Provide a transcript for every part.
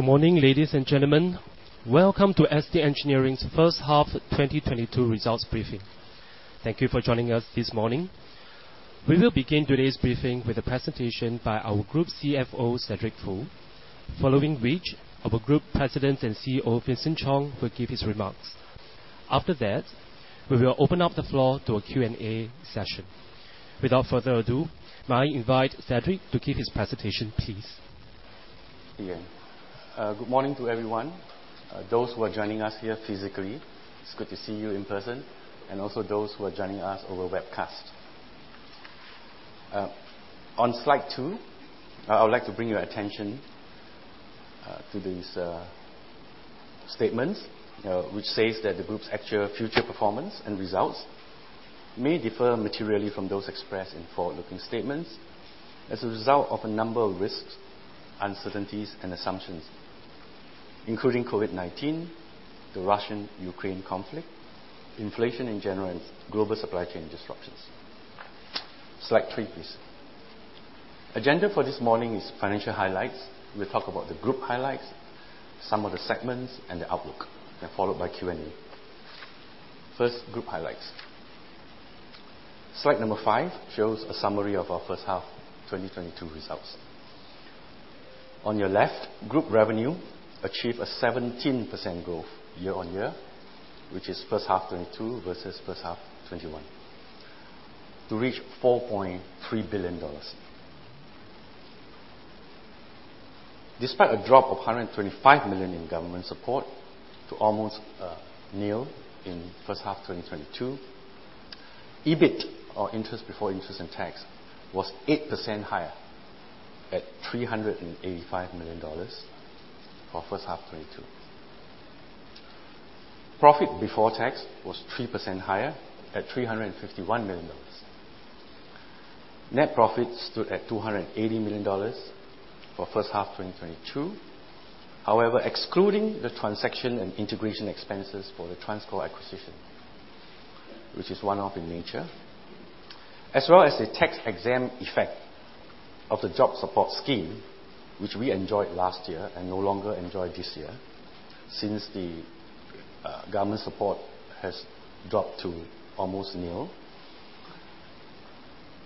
Good morning, ladies and gentlemen. Welcome to ST Engineering's first half 2022 results briefing. Thank you for joining us this morning. We will begin today's briefing with a presentation by our Group CFO, Cedric Foo, following which our Group President and CEO, Vincent Chong, will give his remarks. After that, we will open up the floor to a Q&A session. Without further ado, may I invite Cedric to give his presentation, please. Yeah. Good morning to everyone. Those who are joining us here physically, it's good to see you in person, and also those who are joining us over webcast. On slide two, I would like to bring your attention to these statements, which says that the group's actual future performance and results may differ materially from those expressed in forward-looking statements as a result of a number of risks, uncertainties and assumptions, including COVID-19, the Russia-Ukraine conflict, inflation in general, and global supply chain disruptions. Slide three, please. Agenda for this morning is financial highlights. We'll talk about the group highlights, some of the segments and the outlook, then followed by Q&A. First, group highlights. Slide number 5 shows a summary of our first half 2022 results. Group revenue achieved a 17% growth year-on-year, which is first half 2022 versus first half 2021, to reach 4.3 billion dollars. Despite a drop of 125 million in government support to almost nil in first half 2022, EBIT or earnings before interest and tax was 8% higher at 385 million dollars for first half 2022. Profit before tax was 3% higher at 351 million dollars. Net profit stood at 280 million dollars for first half 2022. However, excluding the transaction and integration expenses for the TransCore acquisition, which is one-off in nature, as well as the tax exempt effect of the Jobs Support Scheme, which we enjoyed last year and no longer enjoy this year, since the government support has dropped to almost nil.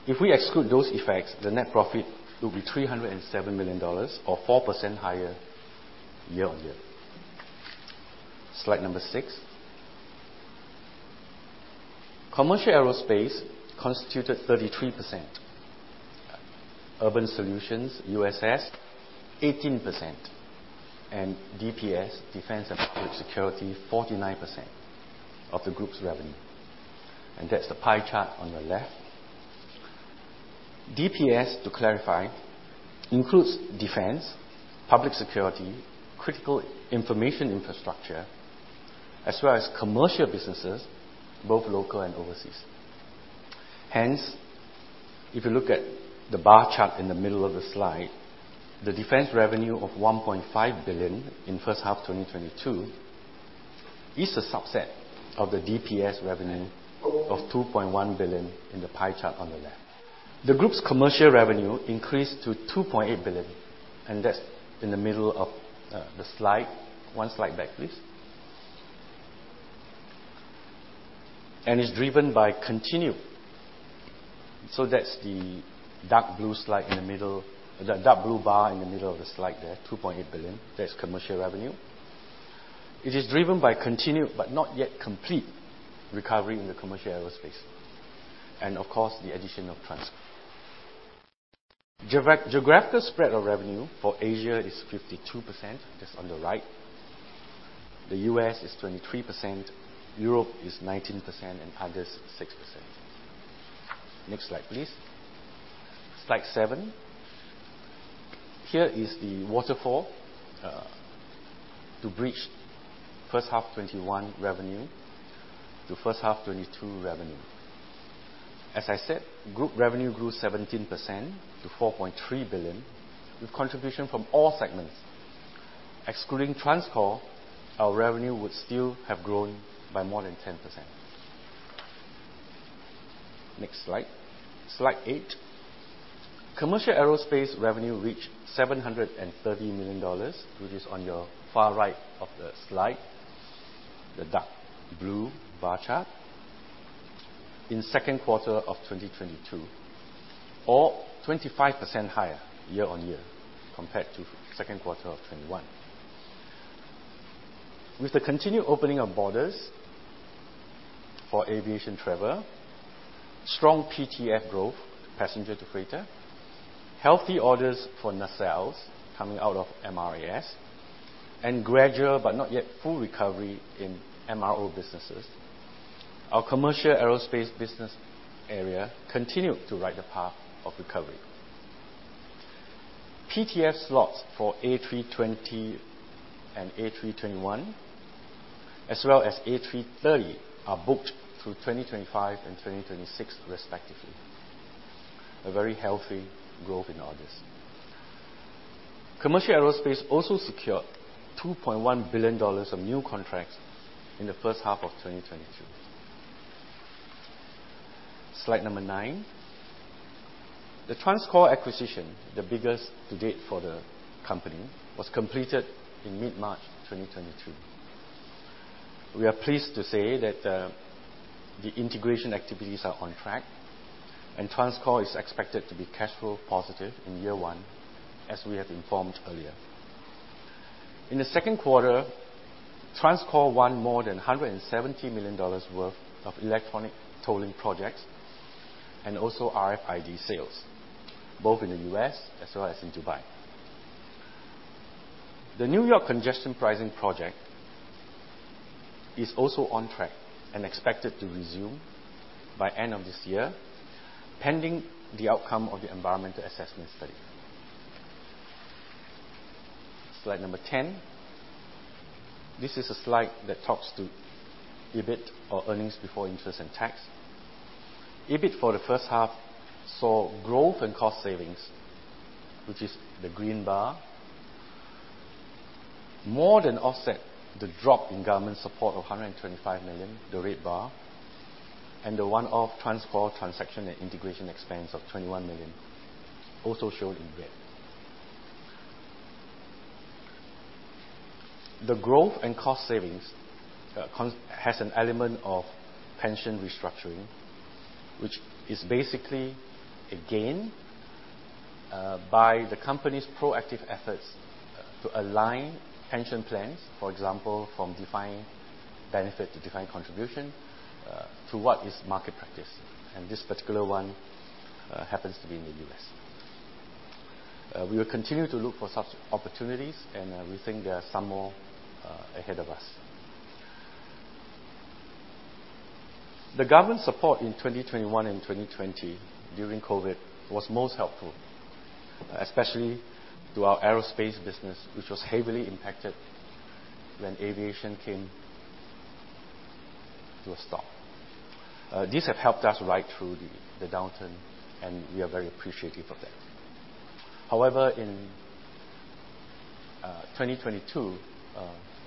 If we exclude those effects, the net profit will be 307 million dollars or 4% higher year-on-year. Slide number six. Commercial aerospace constituted 33%. Urban Solutions, USS, 18%. DPS, Defense and Public Security, 49% of the group's revenue. That's the pie chart on the left. DPS, to clarify, includes defense, public security, critical information infrastructure, as well as commercial businesses, both local and overseas. Hence, if you look at the bar chart in the middle of the slide, the defense revenue of 1.5 billion in first half 2022 is a subset of the DPS revenue of 2.1 billion in the pie chart on the left. The group's commercial revenue increased to 2.8 billion, and that's in the middle of the slide. One slide back, please. It is driven by continued... That's the dark blue slide in the middle. The dark blue bar in the middle of the slide there, 2.8 billion. That's commercial revenue. It is driven by continued but not yet complete recovery in the commercial aerospace and, of course, the addition of TransCore. Geographical spread of revenue for Asia is 52%. That's on the right. The U.S. is 23%. Europe is 19%, and others 6%. Next slide, please. Slide seven. Here is the waterfall to bridge first half 2021 revenue to first half 2022 revenue. As I said, group revenue grew 17% to 4.3 billion, with contribution from all segments. Excluding TransCore, our revenue would still have grown by more than 10%. Next slide. Slide eight. Commercial aerospace revenue reached 730 million dollars, which is on your far right of the slide, the dark blue bar chart, in second quarter of 2022 or 25% higher year-on-year compared to second quarter of 2021. With the continued opening of borders for aviation travel, strong PTF growth, passenger to freighter, healthy orders for nacelles coming out of MRAS, and gradual but not yet full recovery in MRO businesses, our commercial aerospace business area continued to ride the path of recovery. PTF slots for A320 and A321, as well as A330, are booked through 2025 and 2026 respectively. A very healthy growth in orders. Commercial aerospace also secured 2.1 billion dollars of new contracts in the first half of 2022. Slide number nine. The TransCore acquisition, the biggest to date for the company, was completed in mid-March 2022. We are pleased to say that, the integration activities are on track, and TransCore is expected to be cash flow positive in year one, as we have informed earlier. In the second quarter, TransCore won more than $170 million worth of electronic tolling projects and also RFID sales, both in the U.S. as well as in Dubai. The New York Congestion Pricing project is also on track and expected to resume by end of this year, pending the outcome of the environmental assessment study. Slide number 10. This is a slide that talks to EBIT or earnings before interest and tax. EBIT for the first half saw growth and cost savings, which is the green bar, more than offset the drop in government support of 125 million, the red bar, and the one-off TransCore transaction and integration expense of 21 million, also shown in red. The growth and cost savings has an element of pension restructuring, which is basically a gain by the company's proactive efforts to align pension plans, for example, from defined benefit to defined contribution to what is market practice. This particular one happens to be in the U.S. We will continue to look for such opportunities, and we think there are some more ahead of us. The government support in 2021 and 2020 during COVID was most helpful, especially to our aerospace business, which was heavily impacted when aviation came to a stop. This has helped us ride through the downturn, and we are very appreciative of that. However, in 2022,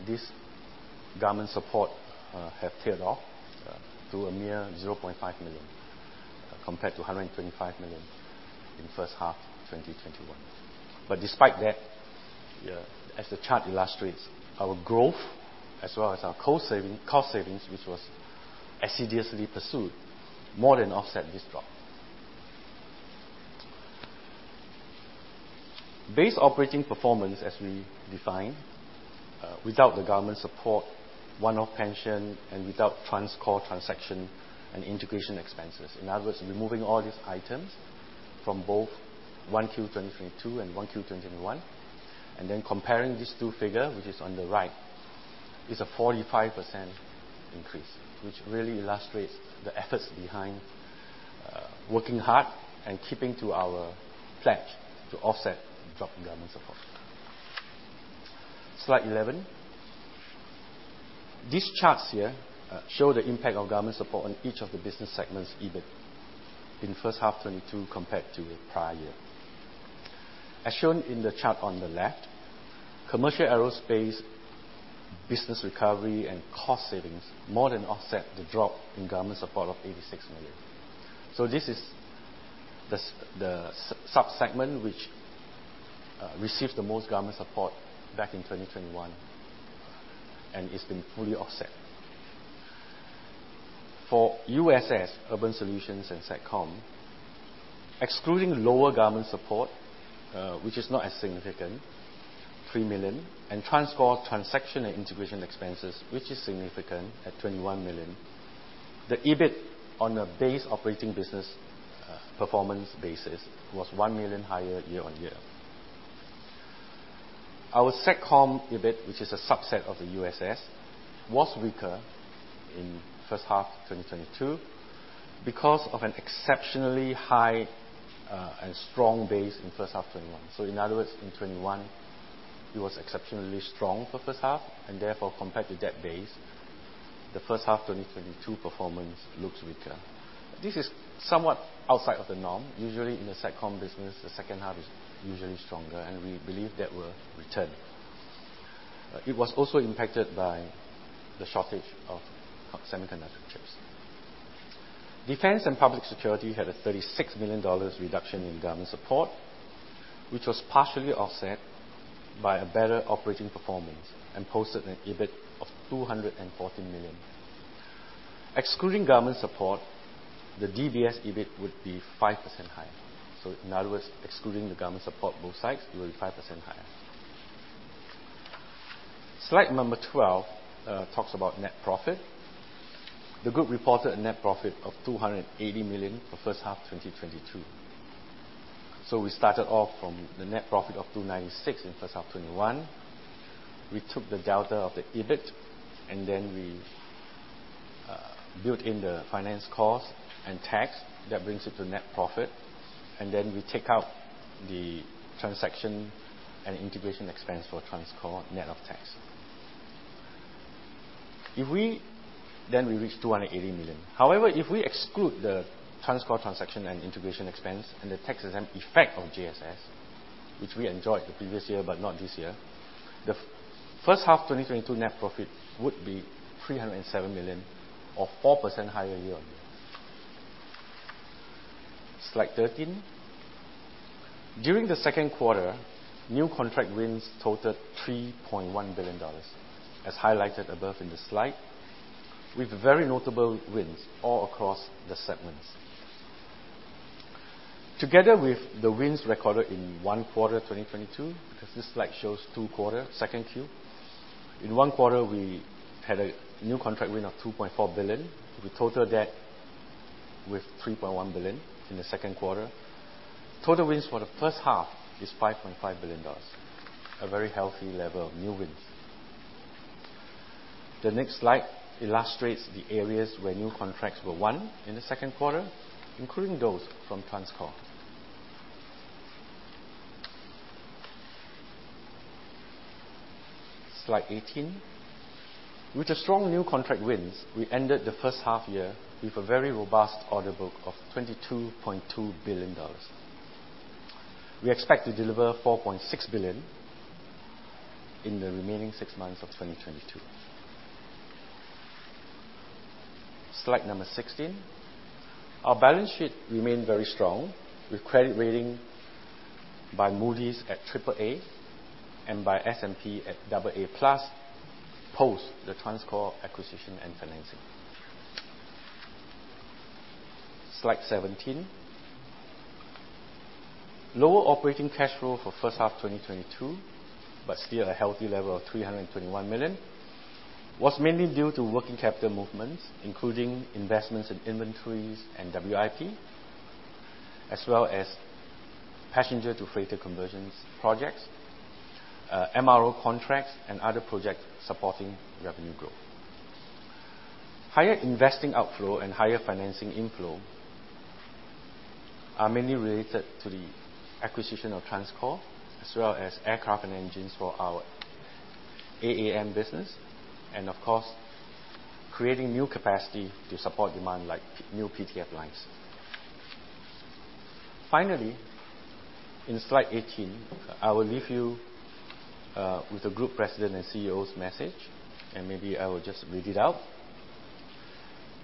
this government support has tapered off to a mere 0.5 million compared to 125 million in first half 2021. Despite that, as the chart illustrates, our growth as well as our cost savings, which was assiduously pursued, more than offset this drop. Base operating performance as we define without the government support, one-off pension, and without TransCore transaction and integration expenses. In other words, removing all these items from both Q1 2022 and Q1 2021, and then comparing these two figures, which is on the right, is a 45% increase. Which really illustrates the efforts behind working hard and keeping to our pledge to offset the drop in government support. Slide eleven. These charts here show the impact of government support on each of the business segments EBIT in first half 2022 compared to the prior year. As shown in the chart on the left, commercial aerospace business recovery and cost savings more than offset the drop in government support of 86 million. This is the sub-segment which received the most government support back in 2021, and it's been fully offset. For USS, Urban Solutions, and SATCOM, excluding lower government support, which is not as significant, 3 million, and TransCore transaction and integration expenses, which is significant at 21 million. The EBIT on a base operating business performance basis was 1 million higher year-on-year. Our SATCOM EBIT, which is a subset of the USS, was weaker in first half 2022 because of an exceptionally high, and strong base in first half 2021. In other words, in 2021, it was exceptionally strong for first half and therefore, compared to that base, the first half 2022 performance looks weaker. This is somewhat outside of the norm. Usually, in the SATCOM business, the second half is usually stronger, and we believe that will return. It was also impacted by the shortage of semiconductor chips. Defence and Public Security had a 36 million dollars reduction in government support, which was partially offset by a better operating performance and posted an EBIT of 214 million. Excluding government support, the DPS EBIT would be 5% higher. In other words, excluding the government support, both sides will be 5% higher. Slide number 12 talks about net profit. The group reported a net profit of 280 million for first half 2022. We started off from the net profit of 296 in first half 2021. We took the delta of the EBIT, and then we built in the finance cost and tax that brings it to net profit. We take out the transaction and integration expense for TransCore net of tax. We reach 280 million. However, if we exclude the TransCore transaction and integration expense and the tax effect of JSS, which we enjoyed the previous year, but not this year. The first half of 2022 net profit would be 307 million or 4% higher year-on-year. Slide 13. During the second quarter, new contract wins totaled SGD 3.1 billion, as highlighted above in the slide, with very notable wins all across the segments. Together with the wins recorded in Q1 2022, because this slide shows Q2. In Q1, we had a new contract win of 2.4 billion. We total that with 3.1 billion in the second quarter. Total wins for the first half is 5.5 billion dollars, a very healthy level of new wins. The next slide illustrates the areas where new contracts were won in the second quarter, including those from TransCore. Slide 18. With the strong new contract wins, we ended the first half year with a very robust order book of SGD 22.2 billion. We expect to deliver SGD 4.6 billion in the remaining six months of 2022. Slide 16. Our balance sheet remained very strong, with credit rating by Moody's at AAA and by S&P at AA+ post the TransCore acquisition and financing. Slide 17. Lower operating cash flow for first half 2022, but still a healthy level of 321 million, was mainly due to working capital movements, including investments in inventories and WIP, as well as passenger to freighter conversions projects, MRO contracts, and other projects supporting revenue growth. Higher investing outflow and higher financing inflow are mainly related to the acquisition of TransCore, as well as aircraft and engines for our AAM business and of course, creating new capacity to support demand like new PTF lines. Finally, in slide 18, I will leave you with the Group President and CEO's message, and maybe I will just read it out.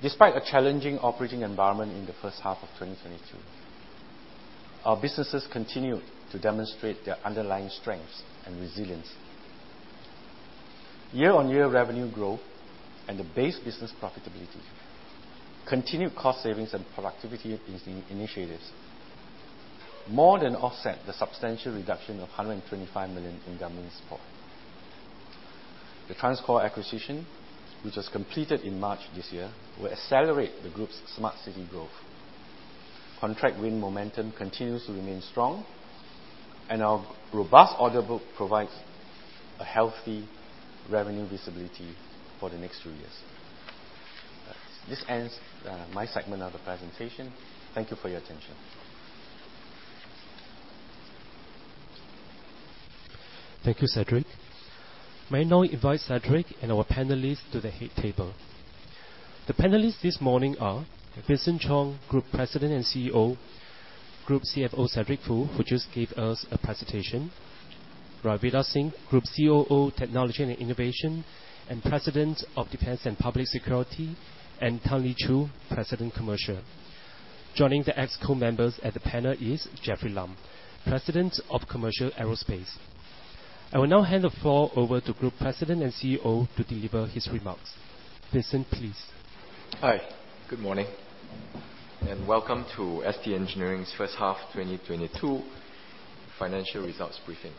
Despite a challenging operating environment in the first half of 2022, our businesses continued to demonstrate their underlying strengths and resiliency. Year-on-year revenue growth and the base business profitability, continued cost savings and productivity-based initiatives more than offset the substantial reduction of 125 million in government support. The TransCore acquisition, which was completed in March this year, will accelerate the group's smart city growth. Contract win momentum continues to remain strong, and our robust order book provides a healthy revenue visibility for the next three years. This ends my segment of the presentation. Thank you for your attention. Thank you, Cedric. May I now invite Cedric and our panelists to the head table. The panelists this morning are Vincent Chong, Group President and CEO, Group CFO, Cedric Foo, who just gave us a presentation, Ravinder Singh, Group COO, Technology and Innovation, and President of Defense and Public Security, and Tan Lee Chew, President, Commercial. Joining the Ex Co-members at the panel is Jeffrey Lam, President of Commercial Aerospace. I will now hand the floor over to Group President and CEO to deliver his remarks. Vincent, please. Hi, good morning and welcome to ST Engineering's first half 2022 financial results briefing.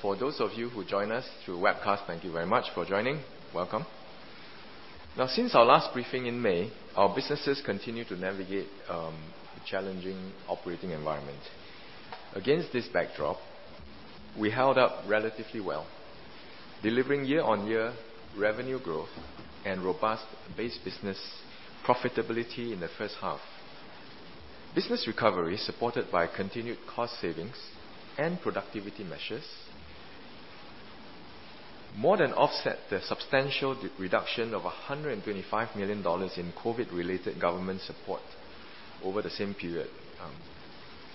For those of you who joined us through webcast, thank you very much for joining. Welcome. Now, since our last briefing in May, our businesses continue to navigate a challenging operating environment. Against this backdrop, we held up relatively well, delivering year-on-year revenue growth and robust base business profitability in the first half. Business recovery, supported by continued cost savings and productivity measures, more than offset the substantial reduction of $125 million in COVID-related government support over the same period,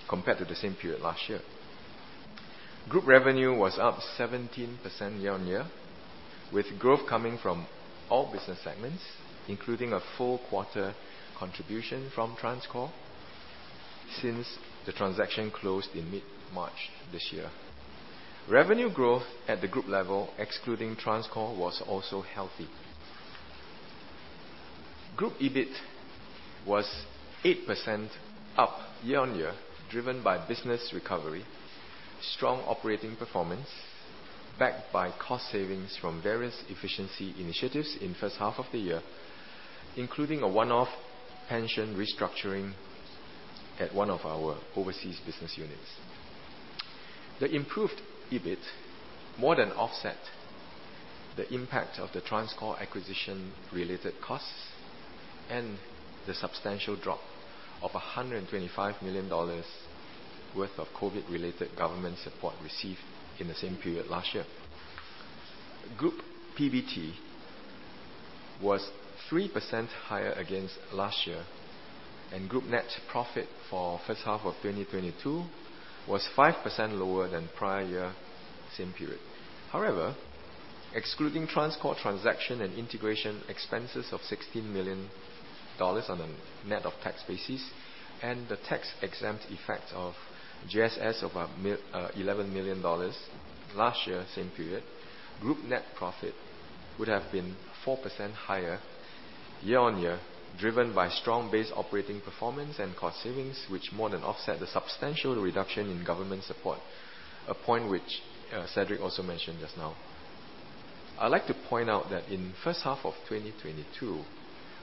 compared to the same period last year. Group revenue was up 17% year-on-year, with growth coming from all business segments, including a full quarter contribution from TransCore since the transaction closed in mid-March this year. Revenue growth at the group level, excluding TransCore, was also healthy. Group EBIT was 8% up year-on-year, driven by business recovery, strong operating performance, backed by cost savings from various efficiency initiatives in first half of the year, including a one-off pension restructuring at one of our overseas business units. The improved EBIT more than offset the impact of the TransCore acquisition related costs and the substantial drop of 125 million dollars worth of COVID-related government support received in the same period last year. Group PBT was 3% higher against last year, and group net profit for first half of 2022 was 5% lower than prior year same period. However, excluding TransCore transaction and integration expenses of SGD 16 million on a net of tax basis and the tax-exempt effect of GSS of 11 million dollars last year same period, group net profit would have been 4% higher year-on-year, driven by strong base operating performance and cost savings, which more than offset the substantial reduction in government support, a point which Cedric also mentioned just now. I'd like to point out that in first half of 2022,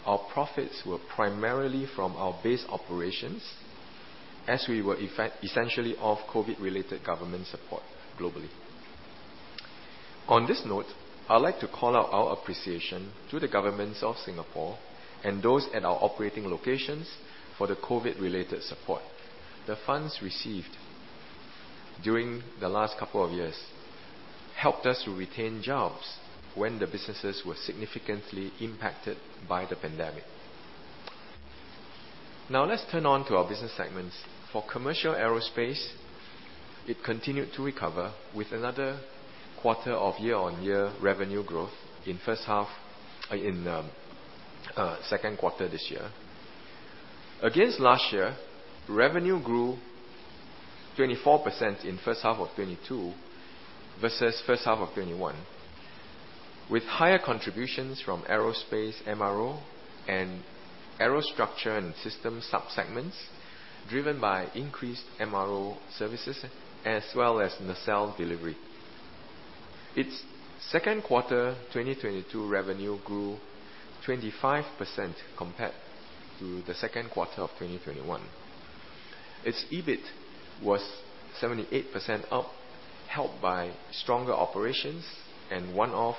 our profits were primarily from our base operations as we were essentially off COVID-related government support globally. On this note, I'd like to call out our appreciation to the governments of Singapore and those at our operating locations for the COVID-related support. The funds received during the last couple of years helped us to retain jobs when the businesses were significantly impacted by the pandemic. Now, let's turn to our business segments. For commercial aerospace, it continued to recover with another quarter of year-on-year revenue growth in second quarter this year. Against last year, revenue grew 24% in first half of 2022 versus first half of 2021, with higher contributions from aerospace MRO and aerostructure and systems sub-segments driven by increased MRO services as well as nacelle delivery. Its second quarter 2022 revenue grew 25% compared to the second quarter of 2021. Its EBIT was 78% up, helped by stronger operations and one-off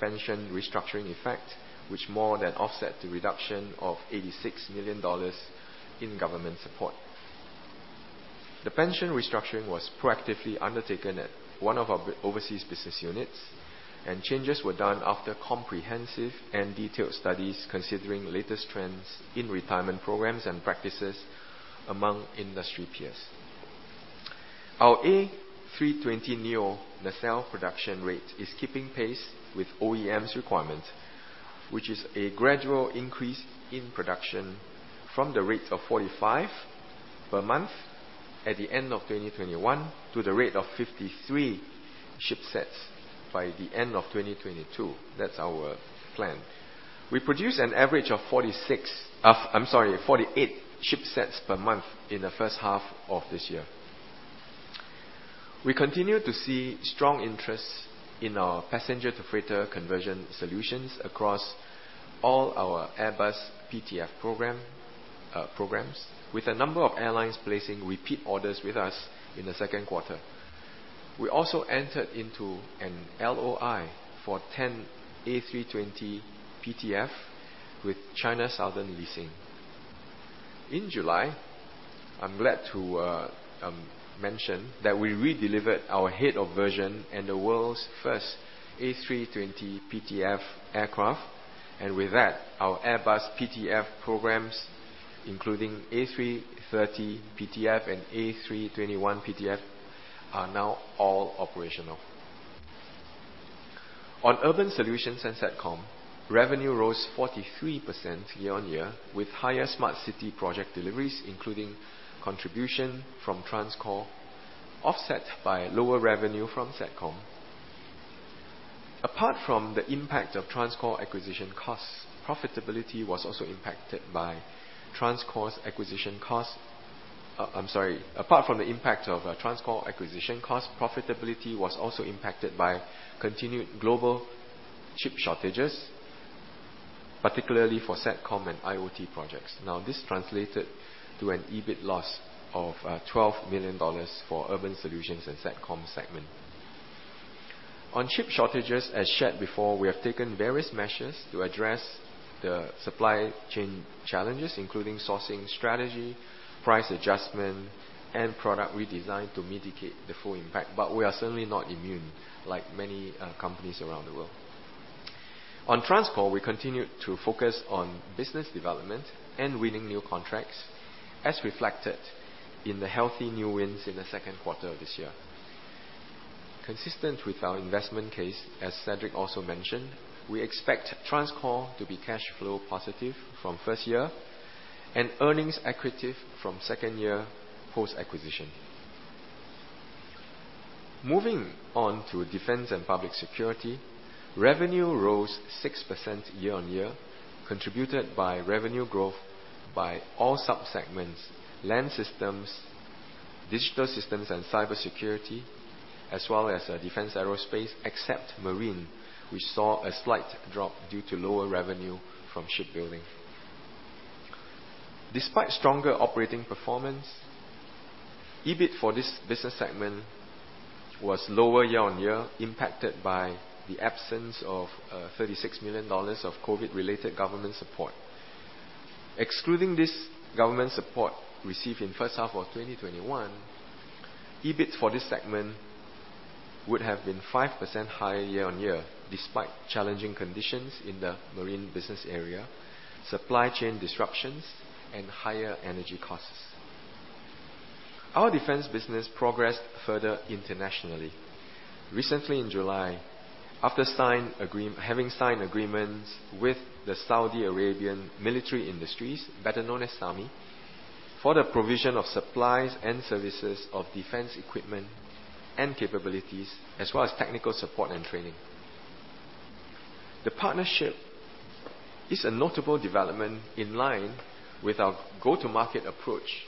pension restructuring effect, which more than offset the reduction of 86 million dollars in government support. The pension restructuring was proactively undertaken at one of our overseas business units, and changes were done after comprehensive and detailed studies considering latest trends in retirement programs and practices among industry peers. Our A320neo nacelle production rate is keeping pace with OEM's requirement, which is a gradual increase in production from the rate of 45 per month at the end of 2021 to the rate of 53 shipsets by the end of 2022. That's our plan. We produced an average of 48 shipsets per month in the first half of this year. We continue to see strong interest in our passenger to freighter conversion solutions across all our Airbus PTF programs, with a number of airlines placing repeat orders with us in the second quarter. We also entered into an LOI for 10 A320 PTF with China Southern Air Leasing. In July, I'm glad to mention that we redelivered our Head-of-Version and the world's first A320 PTF aircraft. With that, our Airbus PTF programs, including A330 PTF and A321 PTF, are now all operational. On urban solutions and SATCOM, revenue rose 43% year-on-year with higher smart city project deliveries, including contribution from TransCore, offset by lower revenue from SATCOM. Apart from the impact of TransCore acquisition costs, profitability was also impacted by TransCore's acquisition cost. I'm sorry. Apart from the impact of TransCore acquisition costs, profitability was also impacted by continued global chip shortages, particularly for SATCOM and IoT projects. Now, this translated to an EBIT loss of 12 million dollars for urban solutions and SATCOM segment. On chip shortages, as shared before, we have taken various measures to address the supply chain challenges, including sourcing strategy, price adjustment, and product redesign to mitigate the full impact. We are certainly not immune like many companies around the world. On TransCore, we continued to focus on business development and winning new contracts, as reflected in the healthy new wins in the second quarter of this year. Consistent with our investment case, as Cedric also mentioned, we expect TransCore to be cash flow positive from first year and earnings accretive from second year post-acquisition. Moving on to defense and public security, revenue rose 6% year-on-year, contributed by revenue growth by all sub-segments, land systems, digital systems and cybersecurity, as well as defense aerospace, except marine, which saw a slight drop due to lower revenue from shipbuilding. Despite stronger operating performance, EBIT for this business segment was lower year-on-year, impacted by the absence of 36 million dollars of COVID-related government support. Excluding this government support received in first half of 2021, EBIT for this segment would have been 5% higher year-on-year, despite challenging conditions in the marine business area, supply chain disruptions, and higher energy costs. Our defense business progressed further internationally. Recently in July, having signed agreements with the Saudi Arabian Military Industries, better known as SAMI, for the provision of supplies and services of defense equipment and capabilities, as well as technical support and training. The partnership is a notable development in line with our go-to-market approach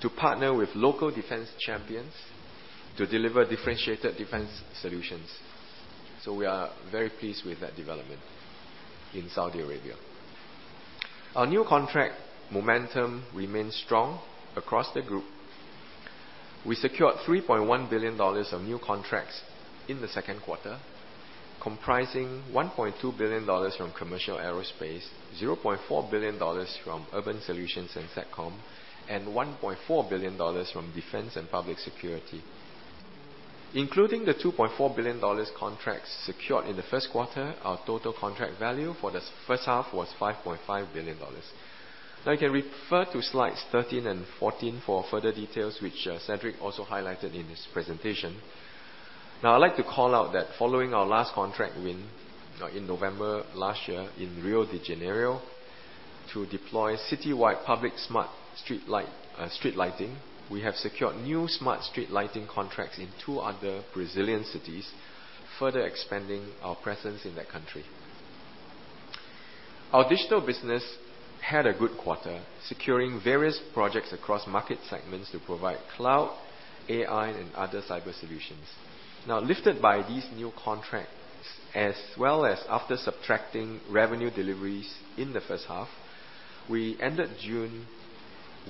to partner with local defense champions to deliver differentiated defense solutions. We are very pleased with that development in Saudi Arabia. Our new contract momentum remains strong across the group. We secured $3.1 billion of new contracts in the second quarter, comprising $1.2 billion from commercial aerospace, $0.4 billion from urban solutions and SATCOM, and $1.4 billion from defense and public security. Including the 2.4 billion dollars contracts secured in the first quarter, our total contract value for the first half was 5.5 billion dollars. You can refer to slides 13 and 14 for further details, which Cedric also highlighted in his presentation. I'd like to call out that following our last contract win in November last year in Rio de Janeiro to deploy citywide public smart street lighting. We have secured new smart street lighting contracts in two other Brazilian cities, further expanding our presence in that country. Our digital business had a good quarter, securing various projects across market segments to provide cloud, AI, and other cyber solutions. Now, lifted by these new contracts, as well as after subtracting revenue deliveries in the first half, we ended June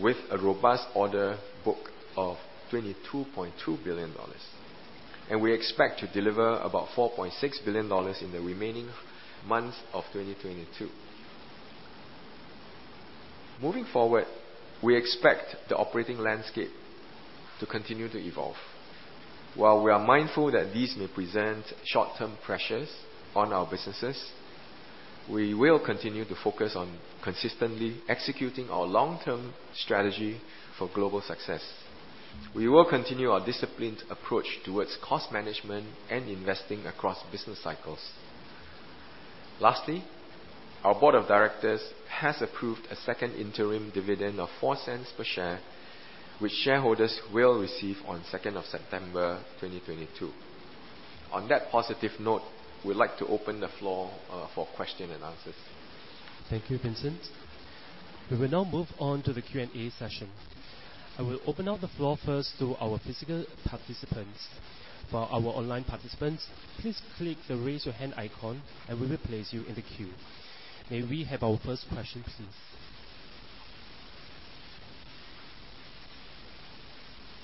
with a robust order book of SGD 22.2 billion. We expect to deliver about 4.6 billion dollars in the remaining months of 2022. Moving forward, we expect the operating landscape to continue to evolve. While we are mindful that these may present short-term pressures on our businesses, we will continue to focus on consistently executing our long-term strategy for global success. We will continue our disciplined approach towards cost management and investing across business cycles. Lastly, our board of directors has approved a second interim dividend of 0.04 per share, which shareholders will receive on the second of September 2022. On that positive note, we'd like to open the floor for questions and answers. Thank you, Vincent. We will now move on to the Q&A session. I will open up the floor first to our physical participants. For our online participants, please click the Raise Your Hand icon and we will place you in the queue. May we have our first question, please?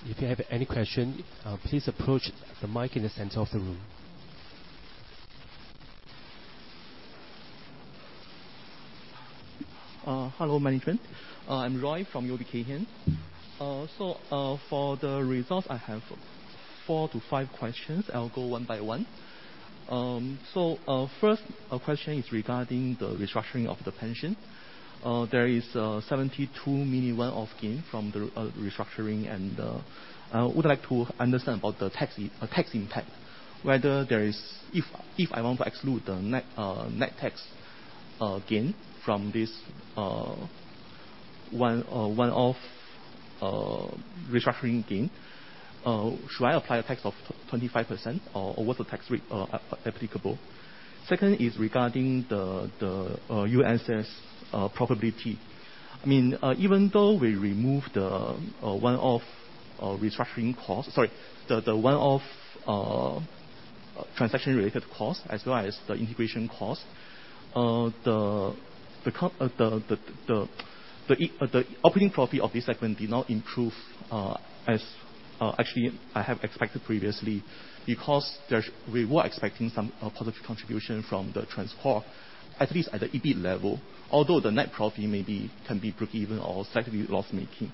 If you have any question, please approach the mic in the center of the room. Hello management. I'm Roy from UOB Kay Hian. For the results, I have four to five questions. I'll go one by one. First question is regarding the restructuring of the pension. There is 72 million one-off gain from the restructuring. Would like to understand about the tax impact, whether there is. If I want to exclude the net tax gain from this one-off restructuring gain, should I apply a tax of 25% or what's the tax rate applicable? Second is regarding the USS profitability. I mean, even though we removed the one-off restructuring cost. Sorry, the one-off transaction related cost, as well as the integration cost, the operating profit of this segment did not improve as actually I have expected previously, because we were expecting some positive contribution from the TransCore, at least at the EBIT level, although the net profit can be breakeven or slightly loss-making.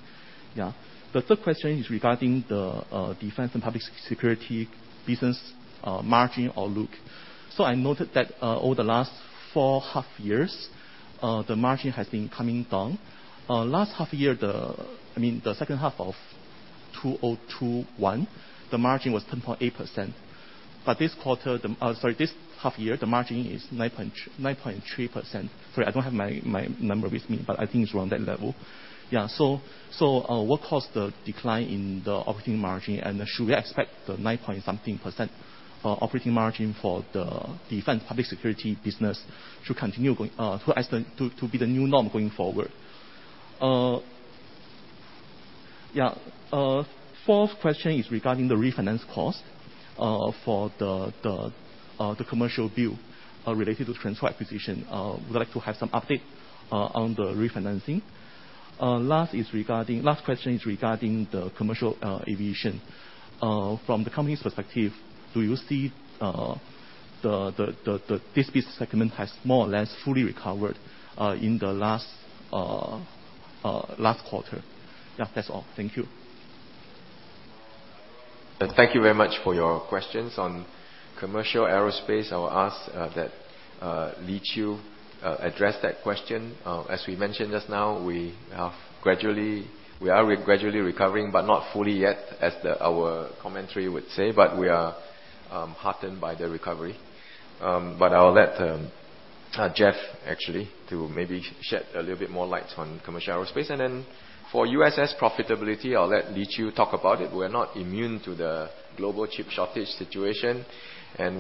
Yeah. The third question is regarding the defense and public security business margin outlook. I noted that over the last four half years, the margin has been coming down. Last half year, I mean, the second half of 2021, the margin was 10.8%. This quarter, sorry, this half year, the margin is 9.3%. Sorry, I don't have my number with me, but I think it's around that level. Yeah. What caused the decline in the operating margin? And should we expect the 9-point-something% operating margin for the Defence & Public Security business to continue to be the new norm going forward? Yeah. Fourth question is regarding the refinance cost for the commercial paper related to TransCore acquisition. Would like to have some update on the refinancing. Last question is regarding the commercial aviation. From the company's perspective, do you see this business segment has more or less fully recovered in the last quarter? Yeah, that's all. Thank you. Thank you very much for your questions. On commercial aerospace, I will ask that Lee Chew address that question. As we mentioned just now, we are gradually recovering, but not fully yet, as our commentary would say. We are heartened by the recovery. I'll let Jeff actually to maybe shed a little bit more light on commercial aerospace. For USS profitability, I'll let Lee Chew talk about it. We're not immune to the global chip shortage situation, and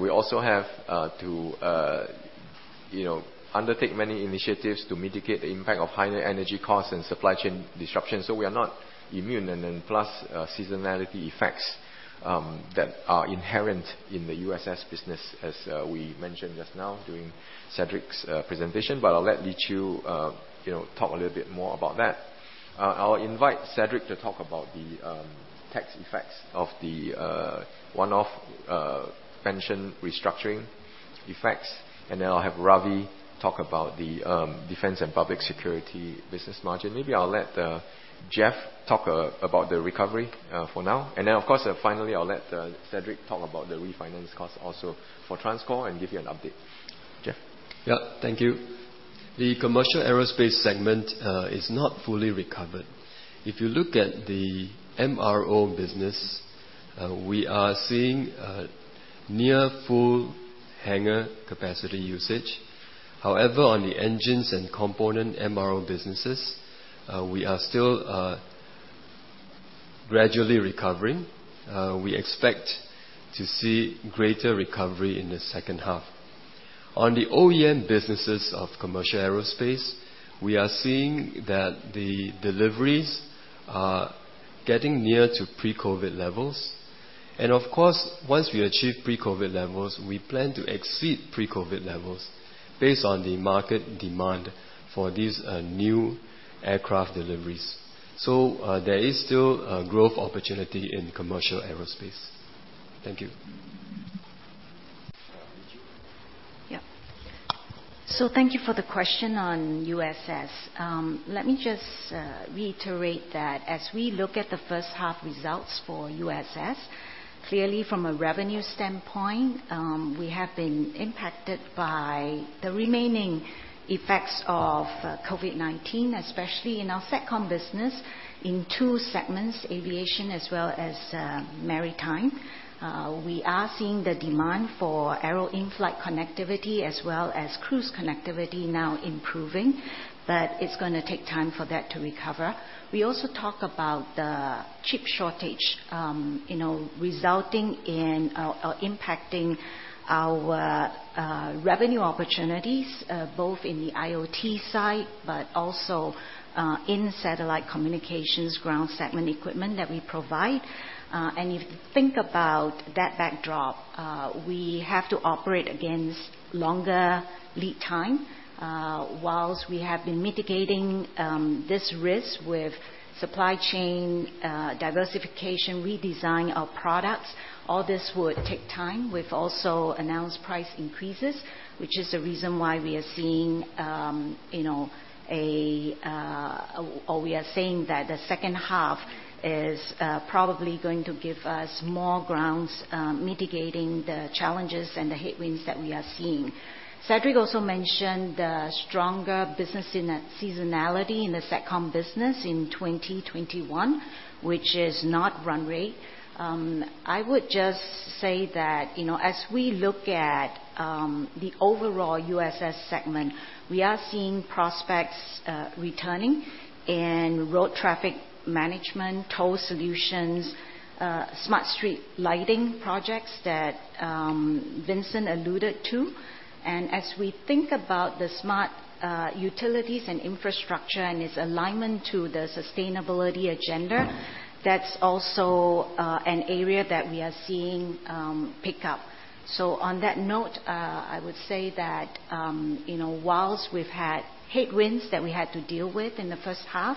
we also have to you know, undertake many initiatives to mitigate the impact of higher energy costs and supply chain disruptions. We are not immune. Plus, seasonality effects that are inherent in the USS business, as we mentioned just now during Cedric's presentation. I'll let Lee Chew talk a little bit more about that. I'll invite Cedric to talk about the tax effects of the one-off pension restructuring effects. Then I'll have Ravi talk about the defense and public security business margin. Maybe I'll let Jeff talk about the recovery for now. Then, of course, finally, I'll let Cedric talk about the refinance cost also for TransCore and give you an update. Jeff? Yeah. Thank you. The commercial aerospace segment is not fully recovered. If you look at the MRO business, we are seeing a near full hangar capacity usage. However, on the engines and component MRO businesses, we are still gradually recovering. We expect to see greater recovery in the second half. On the OEM businesses of commercial aerospace, we are seeing that the deliveries are getting near to pre-COVID levels. Of course, once we achieve pre-COVID levels, we plan to exceed pre-COVID levels based on the market demand for these new aircraft deliveries. There is still growth opportunity in commercial aerospace. Thank you. Lee Chew. Thank you for the question on USS. Let me just reiterate that as we look at the first half results for USS, clearly from a revenue standpoint, we have been impacted by the remaining effects of COVID-19, especially in our SATCOM business in two segments, aviation as well as maritime. We are seeing the demand for aero in-flight connectivity as well as cruise connectivity now improving, but it's gonna take time for that to recover. We also talk about the chip shortage, you know, resulting in or impacting our revenue opportunities both in the IoT side, but also in satellite communications ground segment equipment that we provide. If you think about that backdrop, we have to operate against longer lead time. Whilst we have been mitigating this risk with supply chain diversification, redesign our products, all this would take time. We've also announced price increases, which is the reason why we are seeing, you know, or we are saying that the second half is probably going to give us more grounds mitigating the challenges and the headwinds that we are seeing. Cedric also mentioned the stronger business seasonality in the SATCOM business in 2021, which is not run rate. I would just say that, you know, as we look at the overall USS segment, we are seeing prospects returning in road traffic management, toll solutions, smart street lighting projects that Vincent alluded to. As we think about the smart utilities and infrastructure and its alignment to the sustainability agenda, that's also an area that we are seeing pick up. On that note, I would say that, you know, while we've had headwinds that we had to deal with in the first half,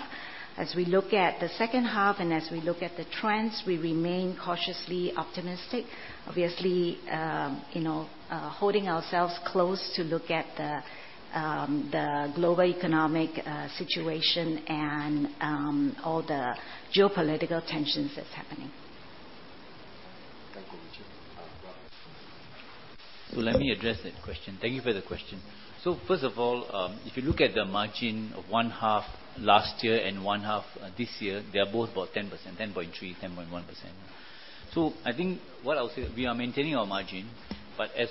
as we look at the second half and as we look at the trends, we remain cautiously optimistic. Obviously, you know, holding ourselves close to look at the the global economic situation and all the geopolitical tensions that's happening. Thank you, Lee Chew. Ravi. Let me address that question. Thank you for the question. First of all, if you look at the margin of H1 last year and H1 this year, they're both about 10%, 10.3%, 10.1%. I think what I'll say, we are maintaining our margin, but as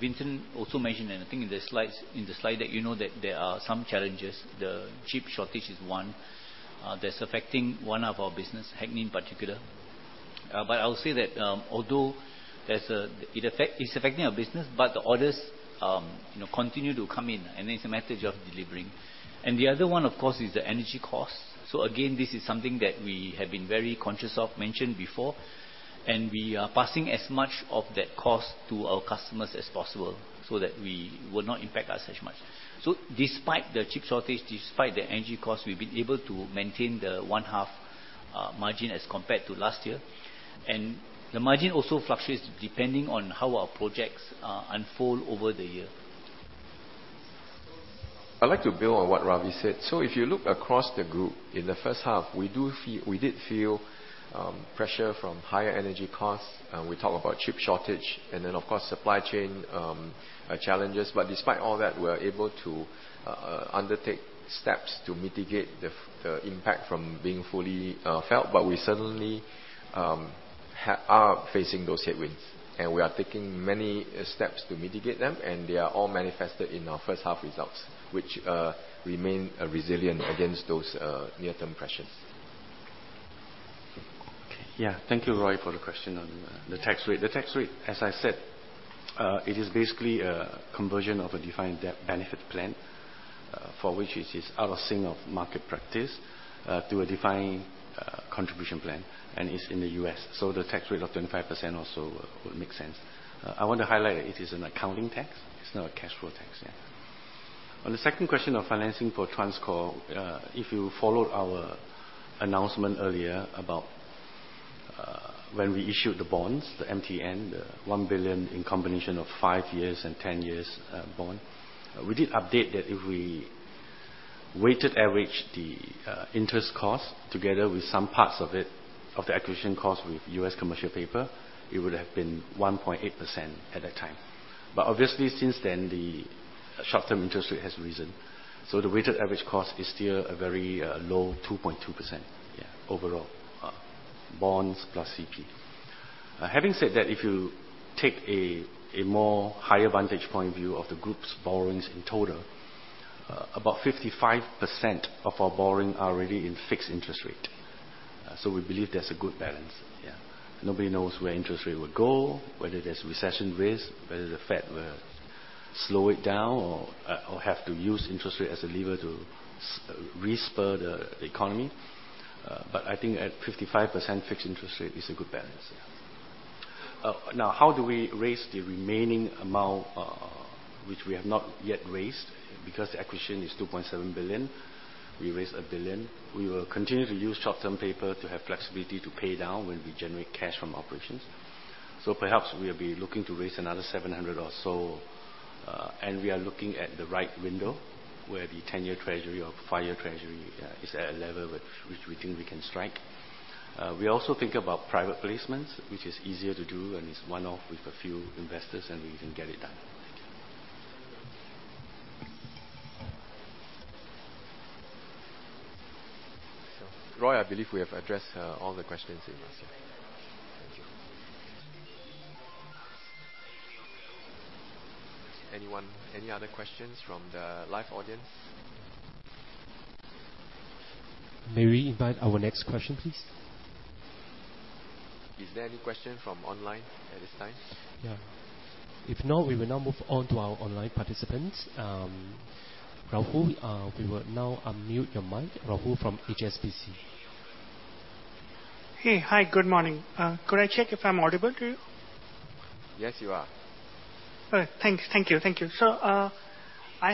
Vincent also mentioned, and I think in the slides, in the slide deck, you know that there are some challenges. The chip shortage is one, that's affecting one of our business, Hagnin in particular. But I'll say that, although it's affecting our business, but the orders, you know, continue to come in, and it's a matter of delivering. The other one, of course, is the energy costs. Again, this is something that we have been very conscious of, mentioned before, and we are passing as much of that cost to our customers as possible so that we will not impact us as much. Despite the chip shortage, despite the energy costs, we've been able to maintain the 1.5% margin as compared to last year. The margin also fluctuates depending on how our projects unfold over the year. I'd like to build on what Ravi said. If you look across the group, in the first half, we did feel pressure from higher energy costs. We talk about chip shortage and then of course supply chain challenges. Despite all that, we are able to undertake steps to mitigate the impact from being fully felt. We certainly are facing those headwinds, and we are taking many steps to mitigate them, and they are all manifested in our first half results, which remain resilient against those near-term pressures. Okay. Yeah. Thank you, Roy, for the question on the tax rate. The tax rate, as I said, it is basically a conversion of a defined benefit plan, for which it is out of sync of market practice, to a defined contribution plan, and it's in the U.S. The tax rate of 25% also would make sense. I want to highlight it is an accounting tax, it's not a cash flow tax. Yeah. On the second question of financing for TransCore. If you followed our announcement earlier about when we issued the bonds, the MTN, the 1 billion in combination of five years and ten years bond. We did update that if we weighted average the interest cost together with some parts of it, of the acquisition cost with U.S. commercial paper, it would have been 1.8% at that time. Obviously since then, the short-term interest rate has risen, so the weighted average cost is still a very low 2.2%. Yeah. Overall, bonds +CP. Having said that, if you take a more higher vantage point view of the group's borrowings in total, about 55% of our borrowing are already in fixed interest rate. So we believe there's a good balance. Yeah. Nobody knows where interest rate will go, whether there's recession risk, whether the Fed will slow it down or have to use interest rate as a lever to spur the economy. I think at 55% fixed interest rate is a good balance. Now how do we raise the remaining amount, which we have not yet raised? Because the acquisition is $2.7 billion, we raised $1 billion. We will continue to use short-term paper to have flexibility to pay down when we generate cash from operations. Perhaps we'll be looking to raise another $700 million or so. We are looking at the right window where the 10-year Treasury or five-year Treasury is at a level which we think we can strike. We also think about private placements, which is easier to do, and it's one-off with a few investors, and we can get it done. Roy, I believe we have addressed all the questions here myself. Thank you very much. Thank you. Any other questions from the live audience? May we invite our next question, please? Is there any question from online at this time? Yeah. If not, we will now move on to our online participants. Rahul, we will now unmute your mic. Rahul from HSBC. Hey. Hi. Good morning. Could I check if I'm audible to you? Yes, you are. All right. Thank you. I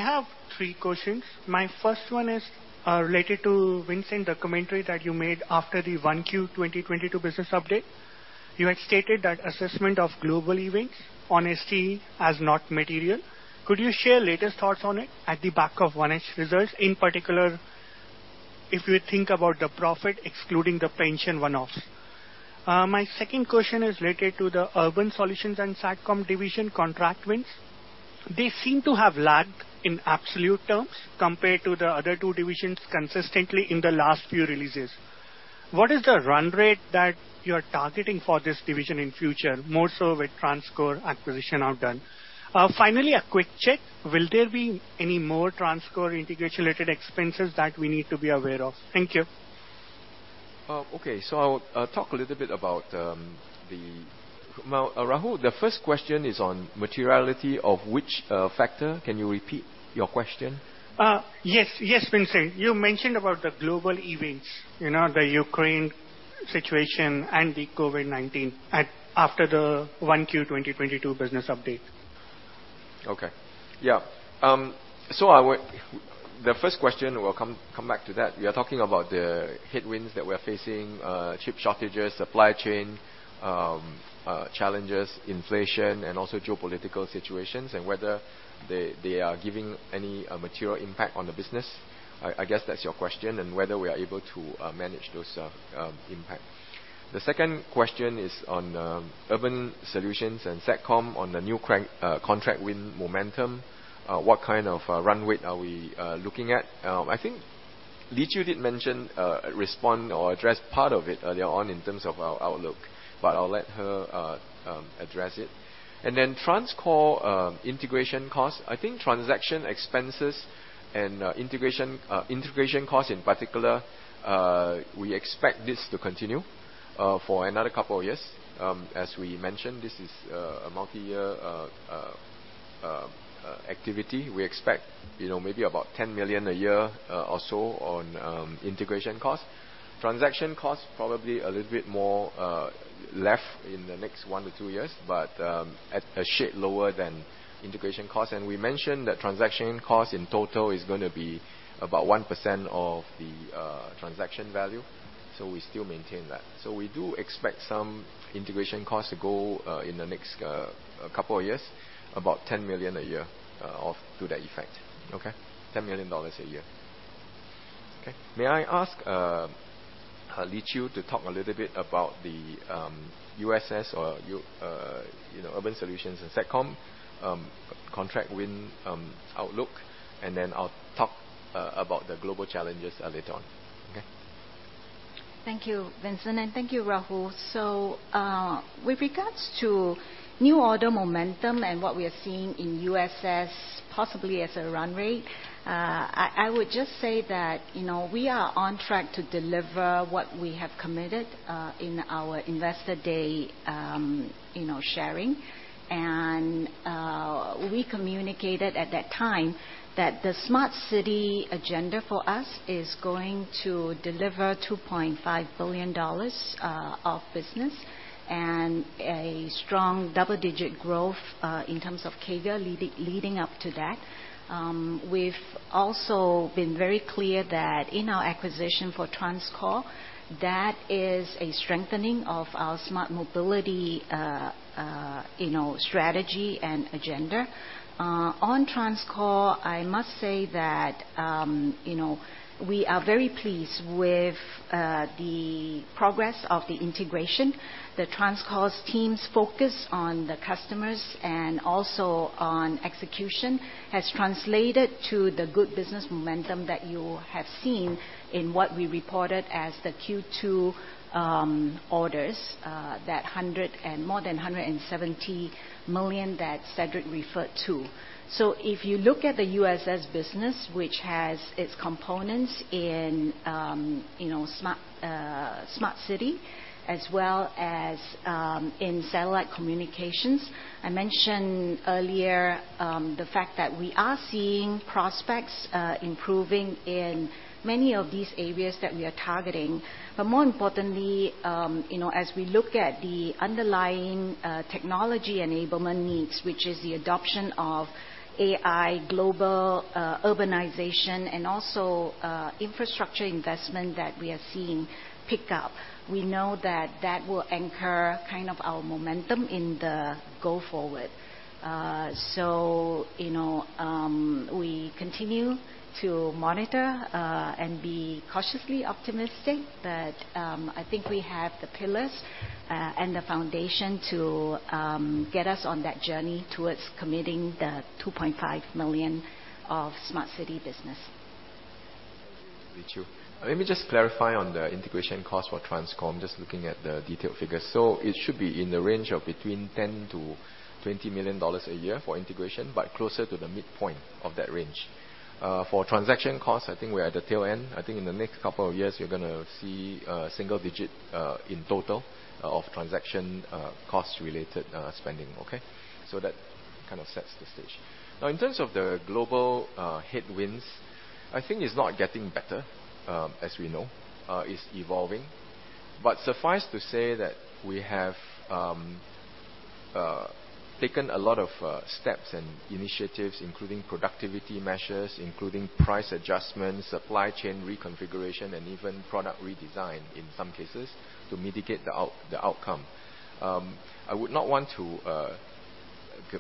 have three questions. My first one is related to Vincent, the commentary that you made after the Q1 2022 business update. You had stated that assessment of global events on SE as not material. Could you share latest thoughts on it in the wake of H1 results? In particular, if you think about the profit excluding the pension one-offs. My second question is related to the Urban Solutions and SATCOM division contract wins. They seem to have lagged in absolute terms compared to the other two divisions consistently in the last few releases. What is the run rate that you're targeting for this division in future, more so with TransCore acquisition are done? Finally, a quick check. Will there be any more TransCore integration related expenses that we need to be aware of? Thank you. Okay. Now, Rahul, the first question is on materiality of which factor? Can you repeat your question? Yes, Vincent. You mentioned about the global events, you know, the Ukraine situation and the COVID-19 after the Q1 2022 business update. Okay. Yeah. The first question, we'll come back to that. We are talking about the headwinds that we're facing, chip shortages, supply chain challenges, inflation, and also geopolitical situations, and whether they are giving any material impact on the business. I guess that's your question and whether we are able to manage those impact. The second question is on Urban Solutions and SATCOM on the new contract win momentum. What kind of run rate are we looking at? I think Tan Lee Chew did mention or address part of it earlier on in terms of our outlook, but I'll let her address it. TransCore integration costs. I think transaction expenses and integration costs in particular, we expect this to continue for another couple of years. As we mentioned, this is a multi-year activity. We expect, you know, maybe about $10 million a year or so on integration costs. Transaction costs probably a little bit more left in the next 1-2 years, but at a significantly lower than integration costs. We mentioned that transaction cost in total is gonna be about 1% of the transaction value, so we still maintain that. We do expect some integration costs to go in the next couple of years about $10 million a year or to that effect. Okay. $10 million a year. Okay. May I ask, Lee Chew to talk a little bit about the USS, you know, Urban Solutions and SATCOM, contract win, outlook, and then I'll talk about the global challenges later on. Okay? Thank you, Vincent. Thank you, Rahul. With regards to new order momentum and what we are seeing in USS, possibly as a run rate, I would just say that, you know, we are on track to deliver what we have committed in our investor day, you know, sharing. We communicated at that time that the smart city agenda for us is going to deliver $2.5 billion of business and a strong double-digit growth in terms of CAGR leading up to that. We've also been very clear that in our acquisition of TransCore, that is a strengthening of our smart mobility, you know, strategy and agenda. On TransCore, I must say that, you know, we are very pleased with the progress of the integration. The TransCore team's focus on the customers and also on execution has translated to the good business momentum that you have seen in what we reported as the Q2 orders, more than 170 million that Cedric referred to. If you look at the USS business, which has its components in, you know, smart city as well as in satellite communications, I mentioned earlier, the fact that we are seeing prospects improving in many of these areas that we are targeting. More importantly, you know, as we look at the underlying technology enablement needs, which is the adoption of AI, global urbanization, and also infrastructure investment that we are seeing pick up, we know that that will anchor kind of our momentum in the go forward. You know, we continue to monitor and be cautiously optimistic, but I think we have the pillars and the foundation to get us on that journey towards committing 2.5 million of smart city business. Thank you, Lee Chew. Let me just clarify on the integration cost for TransCore. I'm just looking at the detailed figures. It should be in the range of between $10 million-$20 million a year for integration, but closer to the midpoint of that range. For transaction costs, I think we're at the tail end. I think in the next couple of years, you're gonna see single digit in total of transaction costs related spending. Okay. That kind of sets the stage. Now, in terms of the global headwinds, I think it's not getting better, as we know. It's evolving. Suffice to say that we have taken a lot of steps and initiatives, including productivity measures, including price adjustments, supply chain reconfiguration, and even product redesign in some cases to mitigate the outcome. I would not want to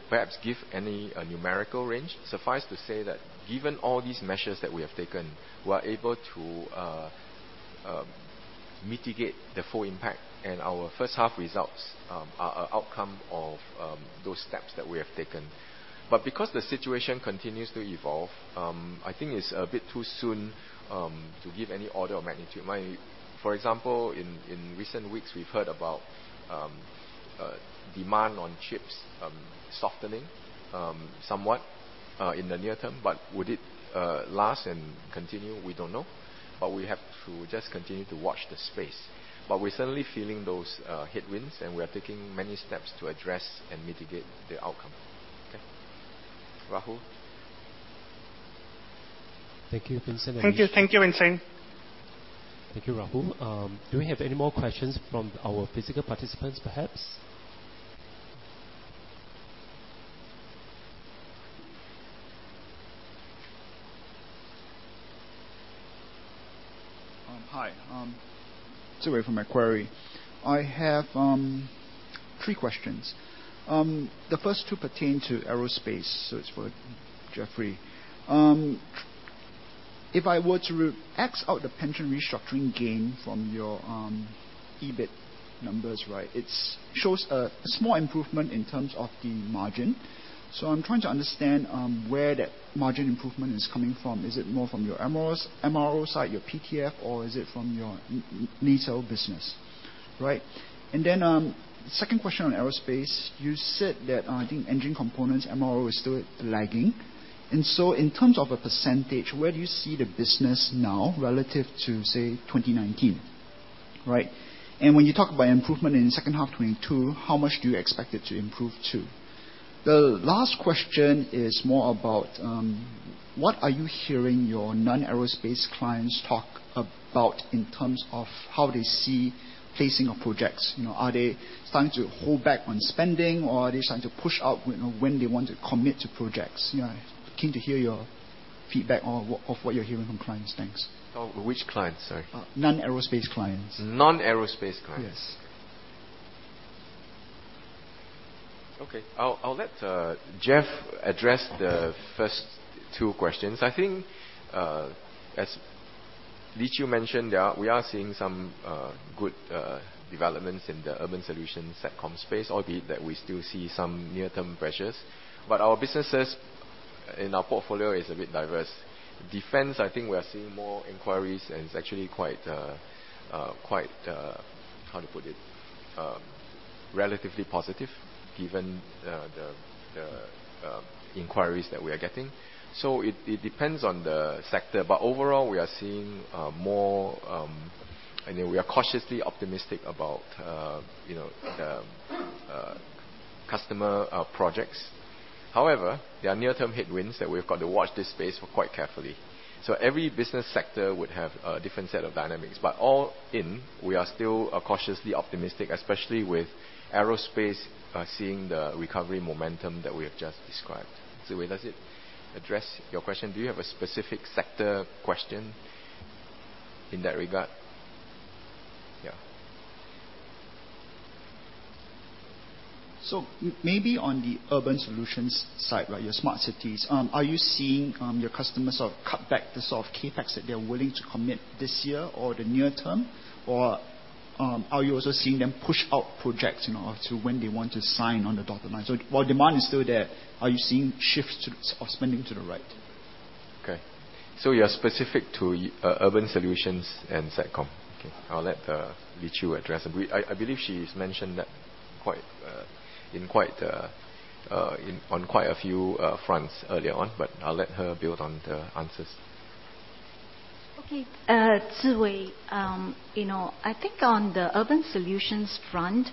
perhaps give any numerical range. Suffice to say that given all these measures that we have taken, we are able to mitigate the full impact, and our first half results are an outcome of those steps that we have taken. Because the situation continues to evolve, I think it's a bit too soon to give any order of magnitude. For example, in recent weeks, we've heard about demand on chips softening somewhat in the near term, but would it last and continue? We don't know. We have to just continue to watch the space. We're certainly feeling those headwinds, and we are taking many steps to address and mitigate the outcome. Okay. Rahul? Thank you, Vincent and Lee. Thank you. Thank you, Vincent. Thank you, Rahul. Do we have any more questions from our physical participants perhaps? Hi. Zhi Wei from Macquarie. I have three questions. The first two pertain to aerospace, so it's for Jeffrey Lam. If I were to x out the pension restructuring gain from your EBIT numbers, right, it shows a small improvement in terms of the margin. I'm trying to understand where that margin improvement is coming from. Is it more from your MRO side, your PTF, or is it from your non-retail business? Right. Second question on aerospace. You said that I think engine components MRO is still lagging. In terms of a percentage, where do you see the business now relative to, say, 2019? Right. When you talk about improvement in second half 2022, how much do you expect it to improve to? The last question is more about what are you hearing your non-aerospace clients talk about in terms of how they see placing of projects? You know, are they starting to hold back on spending, or are they starting to push out when they want to commit to projects? You know, keen to hear your feedback on what you're hearing from clients. Thanks. Oh, which clients? Sorry. Non-aerospace clients. Non-aerospace clients. Yes. Okay. I'll let Jeffrey Lam address the first two questions. I think, as Lee Chew mentioned, we are seeing some good developments in the urban solutions SATCOM space, albeit that we still see some near-term pressures. Our businesses in our portfolio is a bit diverse. Defense, I think we are seeing more inquiries, and it's actually quite, how to put it, relatively positive given the inquiries that we are getting. It depends on the sector. Overall, we are seeing more, you know, we are cautiously optimistic about, you know, the customer projects. However, there are near-term headwinds that we've got to watch this space quite carefully. Every business sector would have a different set of dynamics. All in, we are still cautiously optimistic, especially with aerospace, seeing the recovery momentum that we have just described. Does it address your question? Do you have a specific sector question in that regard? Yeah. Maybe on the urban solutions side, like your smart cities, are you seeing your customers sort of cut back the sort of CapEx that they're willing to commit this year or the near term? Or, are you also seeing them push out projects, you know, to when they want to sign on the dotted line? While demand is still there, are you seeing shifts or spending to the right? Okay. You are specific to urban solutions and SATCOM. Okay. I'll let Lee Chew address. I believe she's mentioned that on quite a few fronts earlier on, but I'll let her build on the answers. Okay. Zhi Wei, you know, I think on the urban solutions front,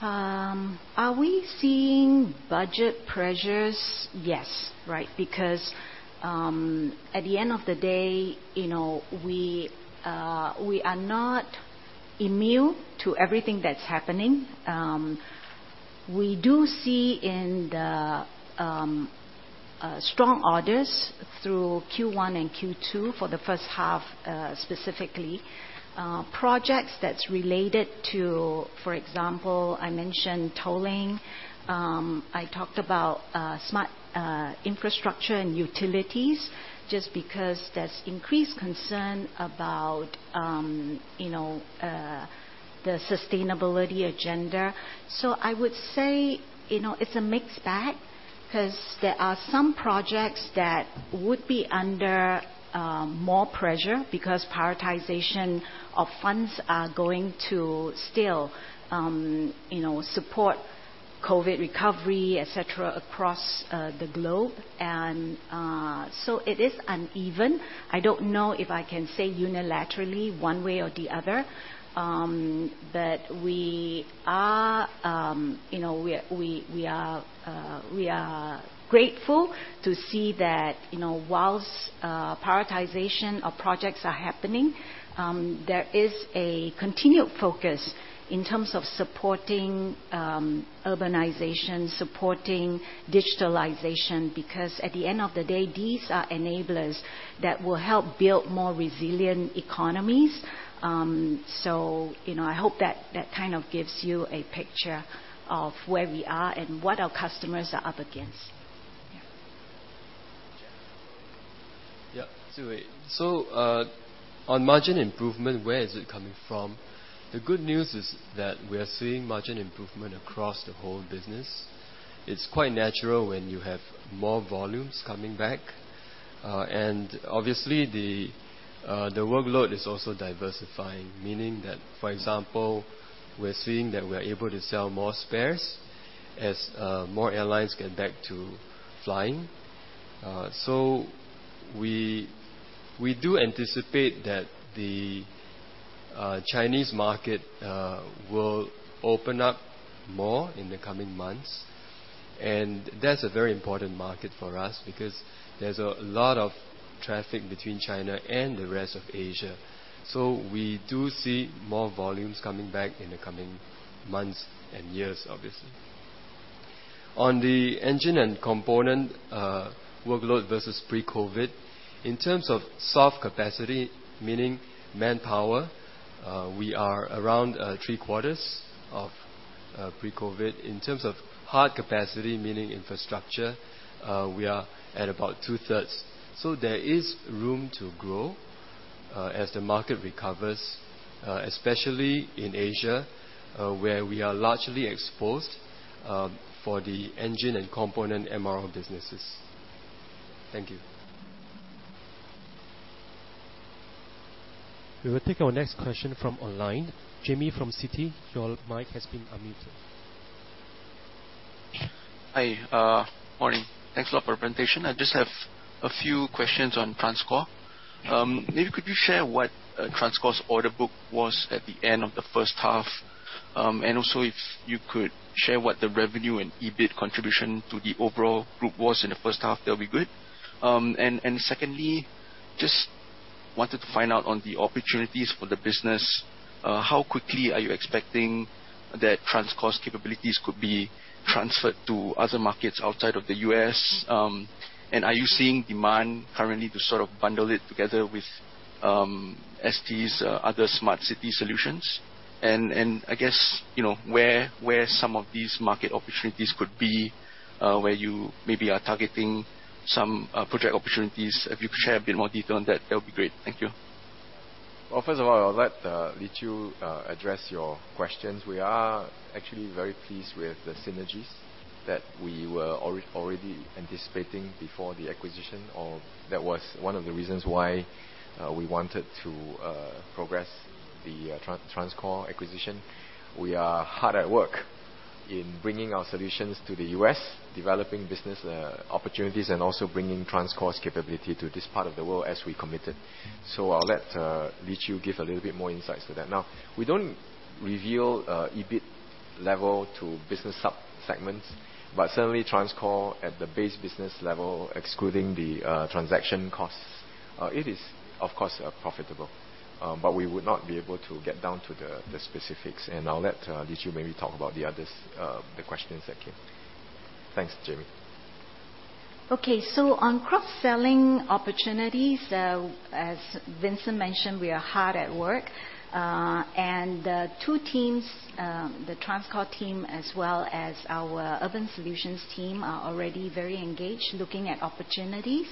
are we seeing budget pressures? Yes. Right? Because, at the end of the day, you know, we are not immune to everything that's happening. We do see strong orders through Q1 and Q2 for the first half, specifically, projects that's related to, for example, I mentioned tolling, I talked about smart infrastructure and utilities, just because there's increased concern about, you know, the sustainability agenda. I would say, you know, it's a mixed bag, 'cause there are some projects that would be under more pressure because prioritization of funds are going to still, you know, support COVID recovery, etc., across the globe. It is uneven. I don't know if I can say unilaterally one way or the other. We are grateful to see that, you know, while prioritization of projects are happening, there is a continued focus in terms of supporting urbanization, supporting digitalization, because at the end of the day, these are enablers that will help build more resilient economies. I hope that kind of gives you a picture of where we are and what our customers are up against. Yeah. Yeah. Zhi Wei. On margin improvement, where is it coming from? The good news is that we are seeing margin improvement across the whole business. It's quite natural when you have more volumes coming back. Obviously the workload is also diversifying. Meaning that, for example, we're seeing that we are able to sell more spares as more airlines get back to flying. We do anticipate that the Chinese market will open up more in the coming months. That's a very important market for us because there's a lot of traffic between China and the rest of Asia. We do see more volumes coming back in the coming months and years, obviously. On the engine and component workload versus pre-COVID, in terms of soft capacity, meaning manpower, we are around three quarters of pre-COVID. In terms of hard capacity, meaning infrastructure, we are at about 2/3. There is room to grow, as the market recovers, especially in Asia, where we are largely exposed, for the engine and component MRO businesses. Thank you. We will take our next question from online. Jamie from Citi, your mic has been unmuted. Hi. Morning. Thanks for the presentation. I just have a few questions on TransCore. Maybe could you share what TransCore's order book was at the end of the first half? And also if you could share what the revenue and EBIT contribution to the overall group was in the first half, that'll be good. And secondly, just wanted to find out on the opportunities for the business, how quickly are you expecting that TransCore's capabilities could be transferred to other markets outside of the U.S.? And are you seeing demand currently to sort of bundle it together with STs other smart city solutions? I guess, you know, where some of these market opportunities could be, where you maybe are targeting some project opportunities. If you could share a bit more detail on that would be great. Thank you. Well, first of all, I'll let Lee Chew address your questions. We are actually very pleased with the synergies that we were already anticipating before the acquisition, or that was one of the reasons why we wanted to progress the TransCore acquisition. We are hard at work in bringing our solutions to the U.S., developing business opportunities, and also bringing TransCore's capability to this part of the world as we committed. I'll let Lee Chew give a little bit more insights to that. Now, we don't reveal EBIT level to business sub-segments, but certainly TransCore at the base business level, excluding the transaction costs, it is, of course, profitable. We would not be able to get down to the specifics, and I'll let Lee Chew maybe talk about the others, the questions that came. Thanks, Jamie. Okay. On cross-selling opportunities, as Vincent mentioned, we are hard at work. The two teams, the TransCore team as well as our Urban Solutions team, are already very engaged looking at opportunities.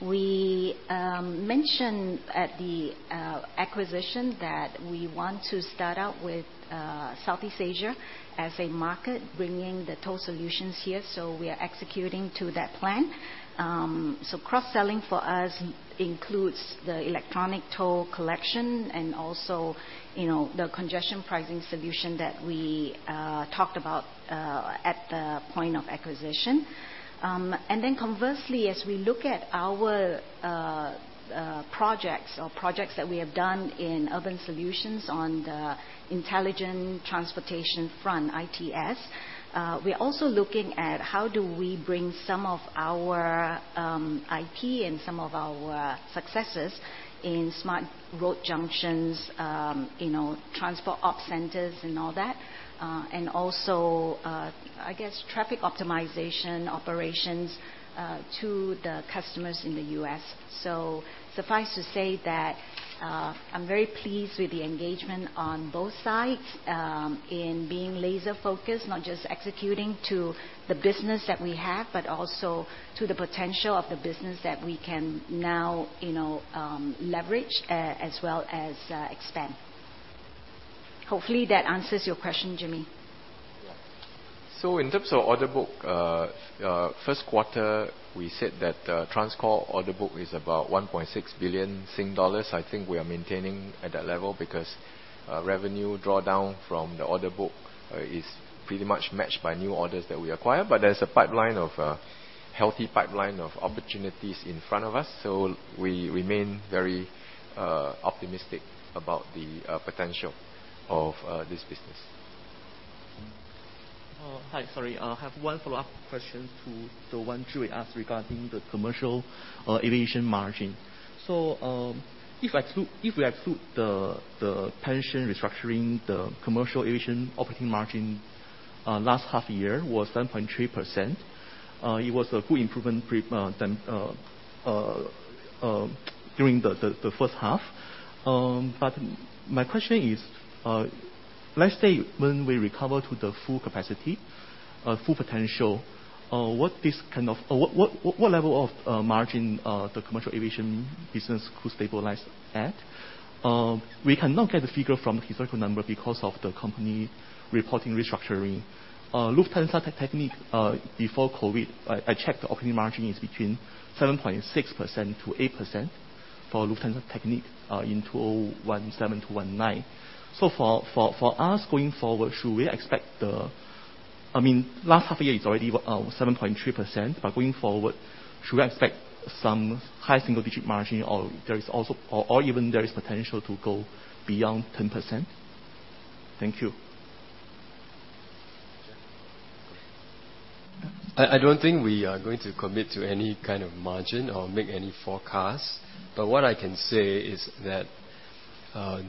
We mentioned at the acquisition that we want to start out with Southeast Asia as a market, bringing the toll solutions here. We are executing to that plan. Cross-selling for us includes the electronic toll collection and also, you know, the congestion pricing solution that we talked about at the point of acquisition. Conversely, as we look at our projects that we have done in Urban Solutions on the intelligent transportation front, ITS, we're also looking at how do we bring some of our IT and some of our successes in smart road junctions, you know, transport op centers and all that, and also, I guess, traffic optimization operations, to the customers in the U.S. Suffice to say that, I'm very pleased with the engagement on both sides in being laser-focused, not just executing to the business that we have, but also to the potential of the business that we can now, you know, leverage as well as expand. Hopefully that answers your question, Jamie. Yeah. In terms of order book, first quarter, we said that, TransCore order book is about 1.6 billion Sing dollars. I think we are maintaining at that level because, revenue drawdown from the order book, is pretty much matched by new orders that we acquire. There's a healthy pipeline of opportunities in front of us, so we remain very optimistic about the potential of this business. Oh, hi. Sorry. I have one follow-up question to the one Zhi Wei Foo asked regarding the commercial aviation margin. If we exclude the pension restructuring, the commercial aviation operating margin last half year was 7.3%. It was a good improvement better than during the first half. My question is, let's say when we recover to the full capacity, full potential, what level of margin the commercial aviation business could stabilize at? We cannot get the figure from historical number because of the company reporting restructuring. Lufthansa Technik before COVID, I checked the operating margin is between 7.6%-8% for Lufthansa Technik in 2017-2019. For us going forward, should we expect the I mean, last half year it's already 7.3%, but going forward, should we expect some high single digit margin or there is also or even there is potential to go beyond 10%? Thank you. I don't think we are going to commit to any kind of margin or make any forecasts. What I can say is that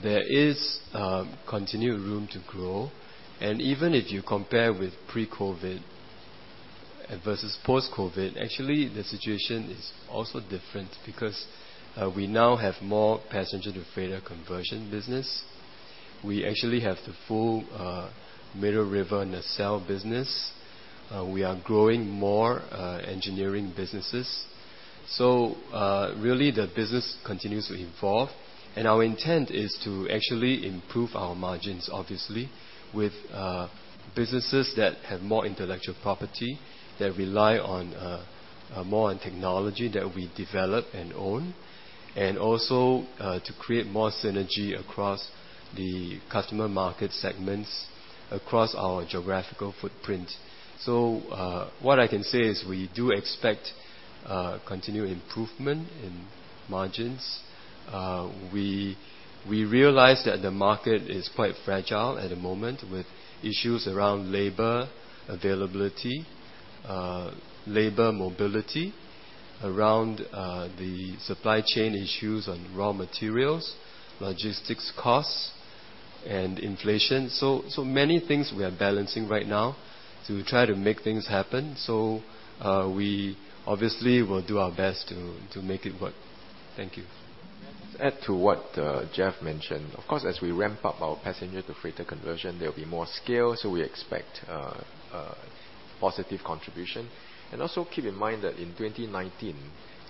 there is continued room to grow. Even if you compare with pre-COVID versus post-COVID, actually the situation is also different because we now have more passenger-to-freighter conversion business. We actually have the full Middle River nacelle business. We are growing more engineering businesses. Really the business continues to evolve, and our intent is to actually improve our margins, obviously, with businesses that have more intellectual property, that rely more on technology that we develop and own, and also to create more synergy across the customer market segments across our geographical footprint. What I can say is we do expect continued improvement in margins. We realize that the market is quite fragile at the moment with issues around labor availability, labor mobility, around the supply chain issues on raw materials, logistics costs, and inflation. Many things we are balancing right now to try to make things happen. We obviously will do our best to make it work. Thank you. Add to what Jeff mentioned. Of course, as we ramp up our passenger to freighter conversion, there'll be more scale, so we expect positive contribution. Also keep in mind that in 2019,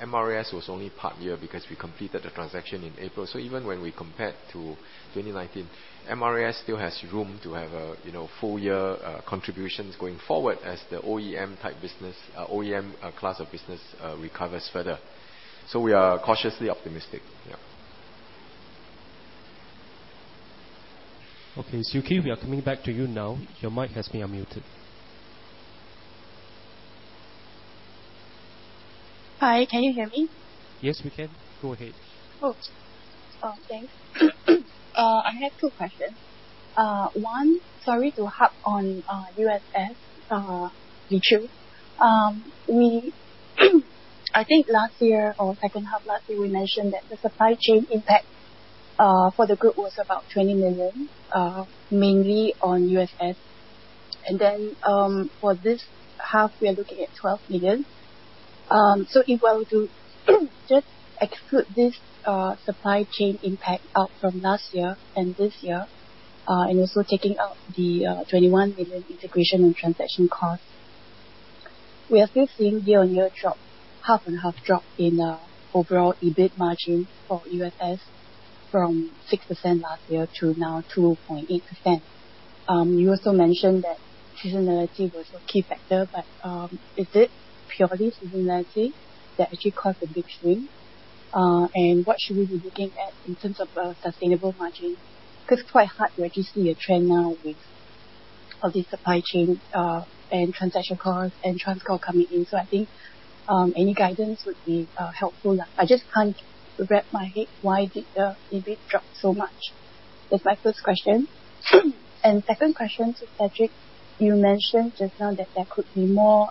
MRAS was only part year because we completed the transaction in April. Even when we compare to 2019, MRAS still has room to have a you know full year contributions going forward as the OEM class of business recovers further. We are cautiously optimistic. Yeah. Okay. Suki, we are coming back to you now. Your mic has been unmuted. Hi. Can you hear me? Yes, we can. Go ahead. Thanks. I had two questions. One, sorry to harp on USS, Lee Chew. I think last year or second half last year, we mentioned that the supply chain impact for the group was about 20 million, mainly on USS. For this half, we are looking at 12 million. If I were to just exclude this supply chain impact out from last year and this year, and also taking out the 21 million integration and transaction costs, we are still seeing year-on-year drop, half-and-half drop in overall EBIT margin for USS from 6% last year to now 2.8%. You also mentioned that seasonality was a key factor. Is it purely seasonality that actually caused the big swing? What should we be looking at in terms of a sustainable margin? 'Cause it's quite hard to actually see a trend now with all the supply chain and transaction costs and TransCore coming in. I think any guidance would be helpful. I just can't wrap my head why did the EBIT drop so much. That's my first question. Second question to Cedric, you mentioned just now that there could be more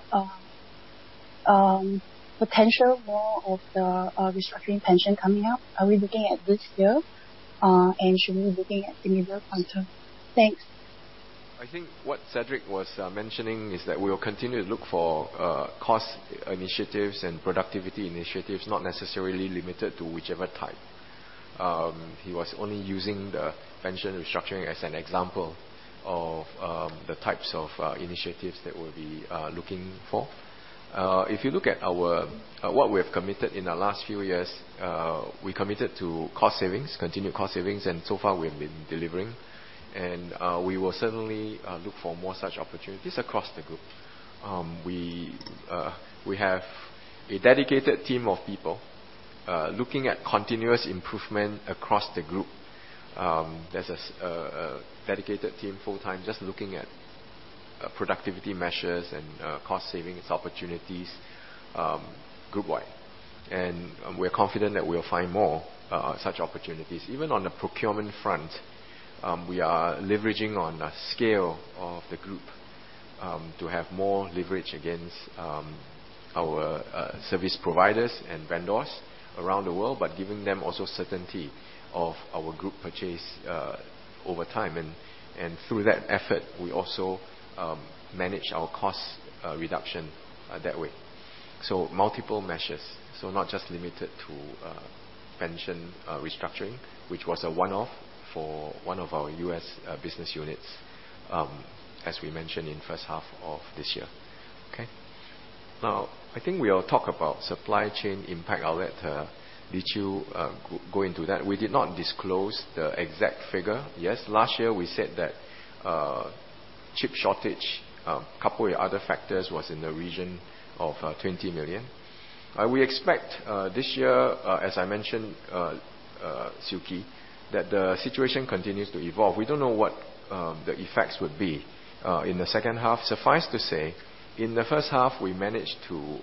potential, more of the restructuring pension coming up. Are we looking at this year, and should we be looking at similar quantum? Thanks. I think what Cedric was mentioning is that we will continue to look for cost initiatives and productivity initiatives, not necessarily limited to whichever type. He was only using the pension restructuring as an example of the types of initiatives that we'll be looking for. If you look at what we have committed in the last few years, we committed to cost savings, continued cost savings, and so far we've been delivering. We will certainly look for more such opportunities across the group. We have a dedicated team of people looking at continuous improvement across the group. There's a dedicated team full-time just looking at productivity measures and cost savings opportunities, group wide. We're confident that we'll find more such opportunities. Even on the procurement front, we are leveraging on the scale of the group to have more leverage against our service providers and vendors around the world, but giving them also certainty of our group purchase over time. Through that effort, we also manage our cost reduction that way. Multiple measures. Not just limited to pension restructuring, which was a one-off for one of our U.S. business units, as we mentioned in first half of this year. Okay. Now, I think we all talk about supply chain impact. I'll let Lee Chew go into that. We did not disclose the exact figure. Yes, last year we said that chip shortage coupled with other factors was in the region of 20 million. We expect this year, as I mentioned, Suki, that the situation continues to evolve. We don't know what the effects would be in the second half. Suffice to say, in the first half, we managed to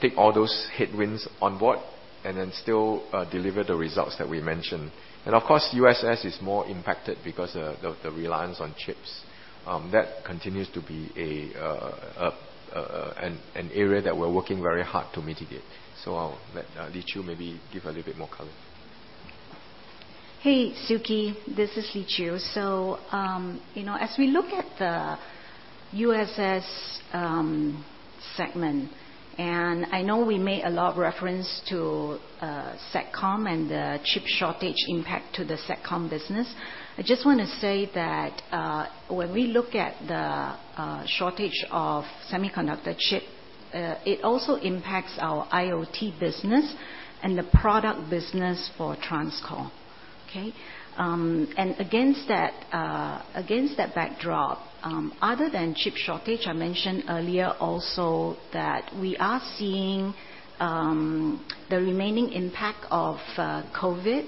take all those headwinds on board and then still deliver the results that we mentioned. Of course, USS is more impacted because of the reliance on chips. That continues to be an area that we're working very hard to mitigate. I'll let Lee Chew maybe give a little bit more color. Hey, Suki, this is Lee Chew. You know, as we look at the USS segment, and I know we made a lot of reference to SATCOM and the chip shortage impact to the SATCOM business. I just wanna say that, when we look at the shortage of semiconductor chip, it also impacts our IoT business and the product business for TransCore. Okay? Against that backdrop, other than chip shortage, I mentioned earlier also that we are seeing the remaining impact of COVID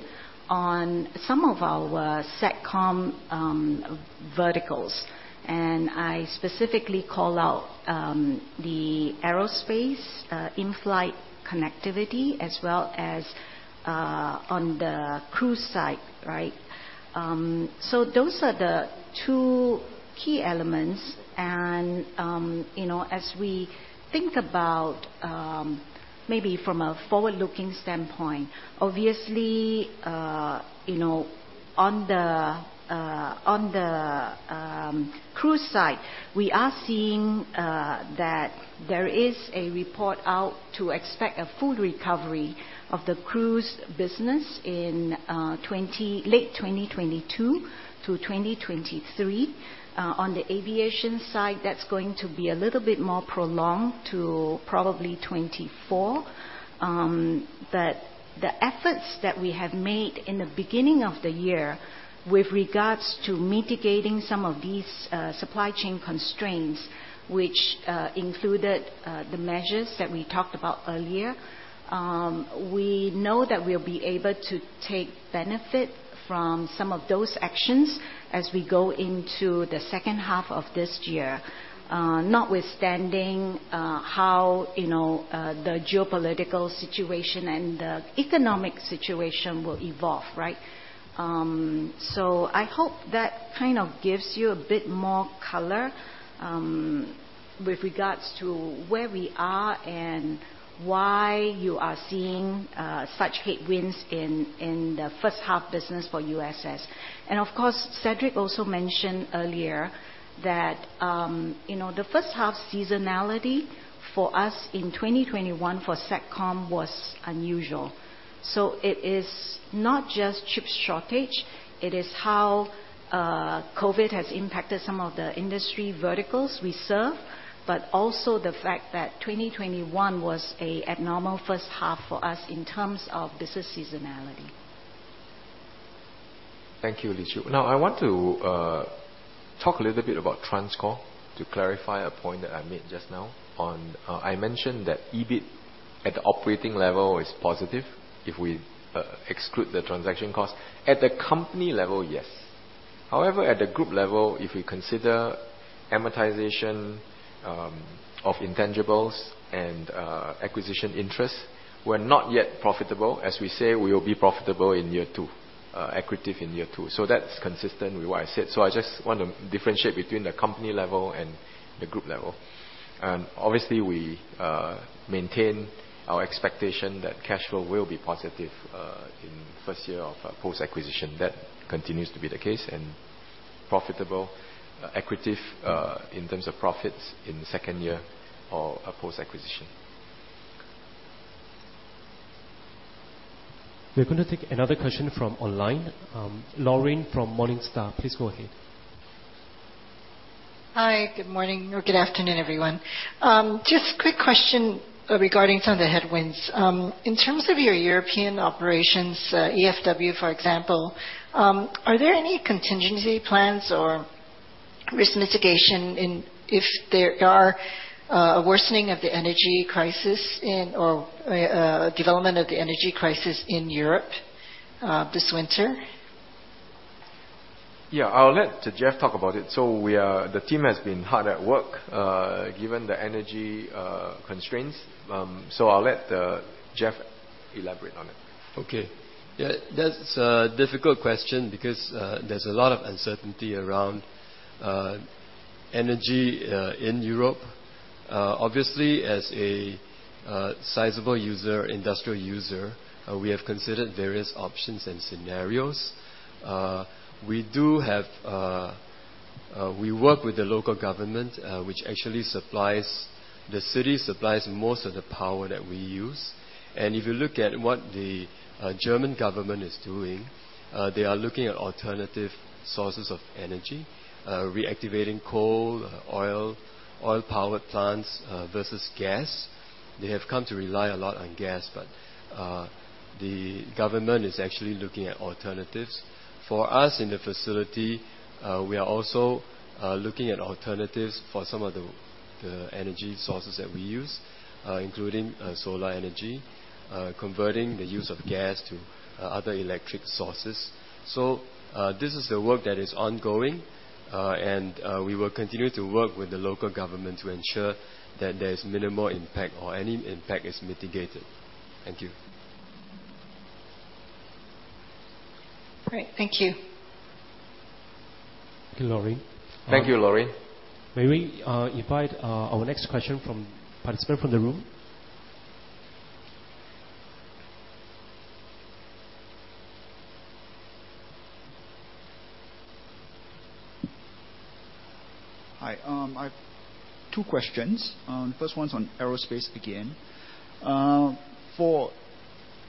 on some of our SATCOM verticals. I specifically call out the aerospace in-flight connectivity as well as on the cruise side, right? Those are the two key elements. You know, as we think about maybe from a forward-looking standpoint, obviously, you know. On the cruise side, we are seeing that there is a report out to expect a full recovery of the cruise business in late 2022-2023. On the aviation side, that's going to be a little bit more prolonged to probably 2024. The efforts that we have made in the beginning of the year with regards to mitigating some of these supply chain constraints, which included the measures that we talked about earlier, we know that we'll be able to take benefit from some of those actions as we go into the second half of this year, notwithstanding how you know the geopolitical situation and the economic situation will evolve, right? I hope that kind of gives you a bit more color with regards to where we are and why you are seeing such headwinds in the first half business for USS. Of course, Cedric also mentioned earlier that you know, the first half seasonality for us in 2021 for SATCOM was unusual. It is not just chip shortage, it is how COVID has impacted some of the industry verticals we serve, but also the fact that 2021 was an abnormal first half for us in terms of business seasonality. Thank you, Tan Lee Chew. Now, I want to talk a little bit about TransCore to clarify a point that I made just now. I mentioned that EBIT at the operating level is positive if we exclude the transaction cost. At the company level, yes. However, at the group level, if we consider amortization of intangibles and acquisition interest, we're not yet profitable. As we say, we will be profitable in year two, accretive in year two. That's consistent with what I said. I just want to differentiate between the company level and the group level. Obviously, we maintain our expectation that cash flow will be positive in first year of post-acquisition. That continues to be the case, and profitable, accretive in terms of profits in the second year of post-acquisition. We're gonna take another question from online. Lorraine from Morningstar, please go ahead. Hi. Good morning or good afternoon, everyone. Just quick question, regarding some of the headwinds. In terms of your European operations, EFW, for example, are there any contingency plans or risk mitigation if there are a worsening of the energy crisis in Europe or development of the energy crisis in Europe, this winter? Yeah, I'll let Jeffrey Lam talk about it. The team has been hard at work, given the energy constraints. I'll let Jeffrey Lam elaborate on it. Okay. Yeah, that's a difficult question because there's a lot of uncertainty around energy in Europe. Obviously, as a sizable user, industrial user, we have considered various options and scenarios. We work with the local government. The city supplies most of the power that we use. If you look at what the German government is doing, they are looking at alternative sources of energy, reactivating coal, oil-powered plants versus gas. They have come to rely a lot on gas, but the government is actually looking at alternatives. For us in the facility, we are also looking at alternatives for some of the energy sources that we use, including solar energy, converting the use of gas to other electric sources. This is a work that is ongoing. We will continue to work with the local government to ensure that there is minimal impact or any impact is mitigated. Thank you. Great. Thank you. Thank you, Lorraine. Thank you, Lorraine. May we invite our next question from participant from the room? Hi. I've two questions. First one's on aerospace again. For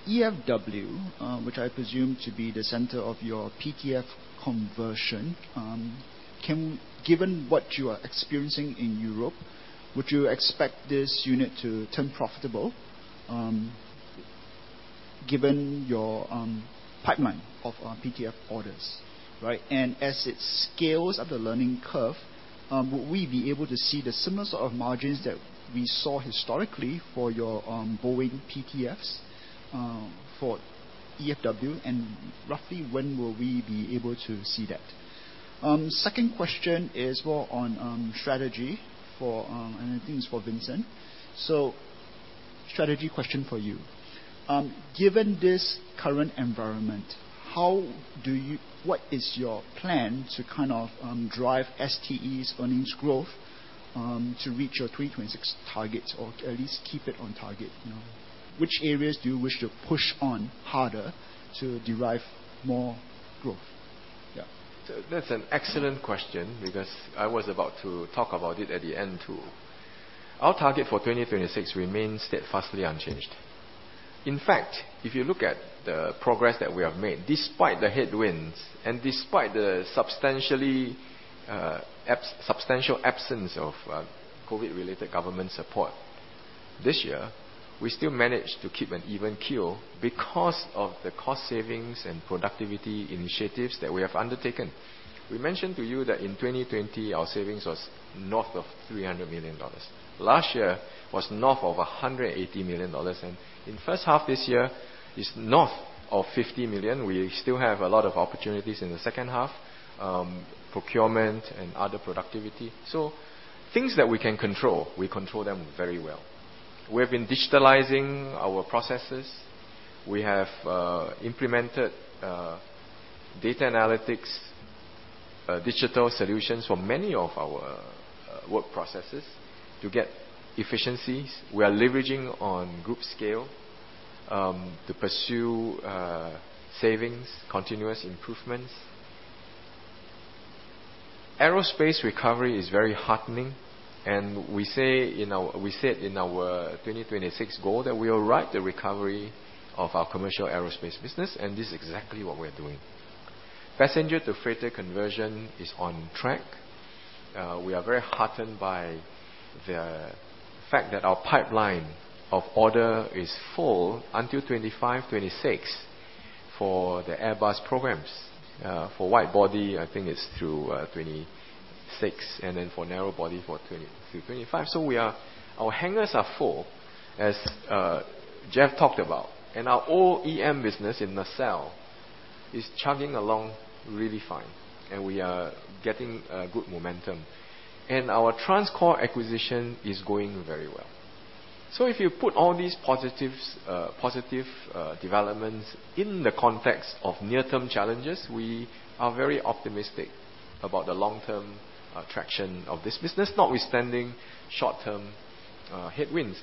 EFW, which I presume to be the center of your PTF conversion. Given what you are experiencing in Europe, would you expect this unit to turn profitable, given your pipeline of PTF orders, right? And as it scales up the learning curve, would we be able to see the similar sort of margins that we saw historically for your Boeing PTFs, for EFW, and roughly when will we be able to see that? Second question is more on strategy for, and I think it's for Vincent. Strategy question for you. Given this current environment, what is your plan to kind of drive STE's earnings growth to reach your 326 targets or at least keep it on target, you know? Which areas do you wish to push on harder to derive more growth? Yeah. That's an excellent question because I was about to talk about it at the end too. Our target for 2026 remains steadfastly unchanged. In fact, if you look at the progress that we have made, despite the headwinds and despite the substantial absence of COVID-related government support this year, we still managed to keep an even keel because of the cost savings and productivity initiatives that we have undertaken. We mentioned to you that in 2020, our savings was north of 300 million dollars. Last year was north of 180 million dollars, and in first half this year is north of 50 million. We still have a lot of opportunities in the second half, procurement and other productivity. Things that we can control, we control them very well. We have been digitalizing our processes. We have implemented data analytics digital solutions for many of our work processes to get efficiencies. We are leveraging on group scale to pursue savings, continuous improvements. Aerospace recovery is very heartening, and we said in our 2026 goal that we will ride the recovery of our commercial aerospace business, and this is exactly what we're doing. Passenger to freighter conversion is on track. We are very heartened by the fact that our pipeline of order is full until 2025, 2026 for the Airbus programs. For wide-body, I think it's through 2026 and then for narrow-body through 2025. Our hangars are full, as Jeff talked about. Our OEM business in Nacelle is chugging along really fine, and we are getting good momentum. Our TransCore acquisition is going very well. If you put all these positive developments in the context of near-term challenges, we are very optimistic about the long-term traction of this business, notwithstanding short-term headwinds.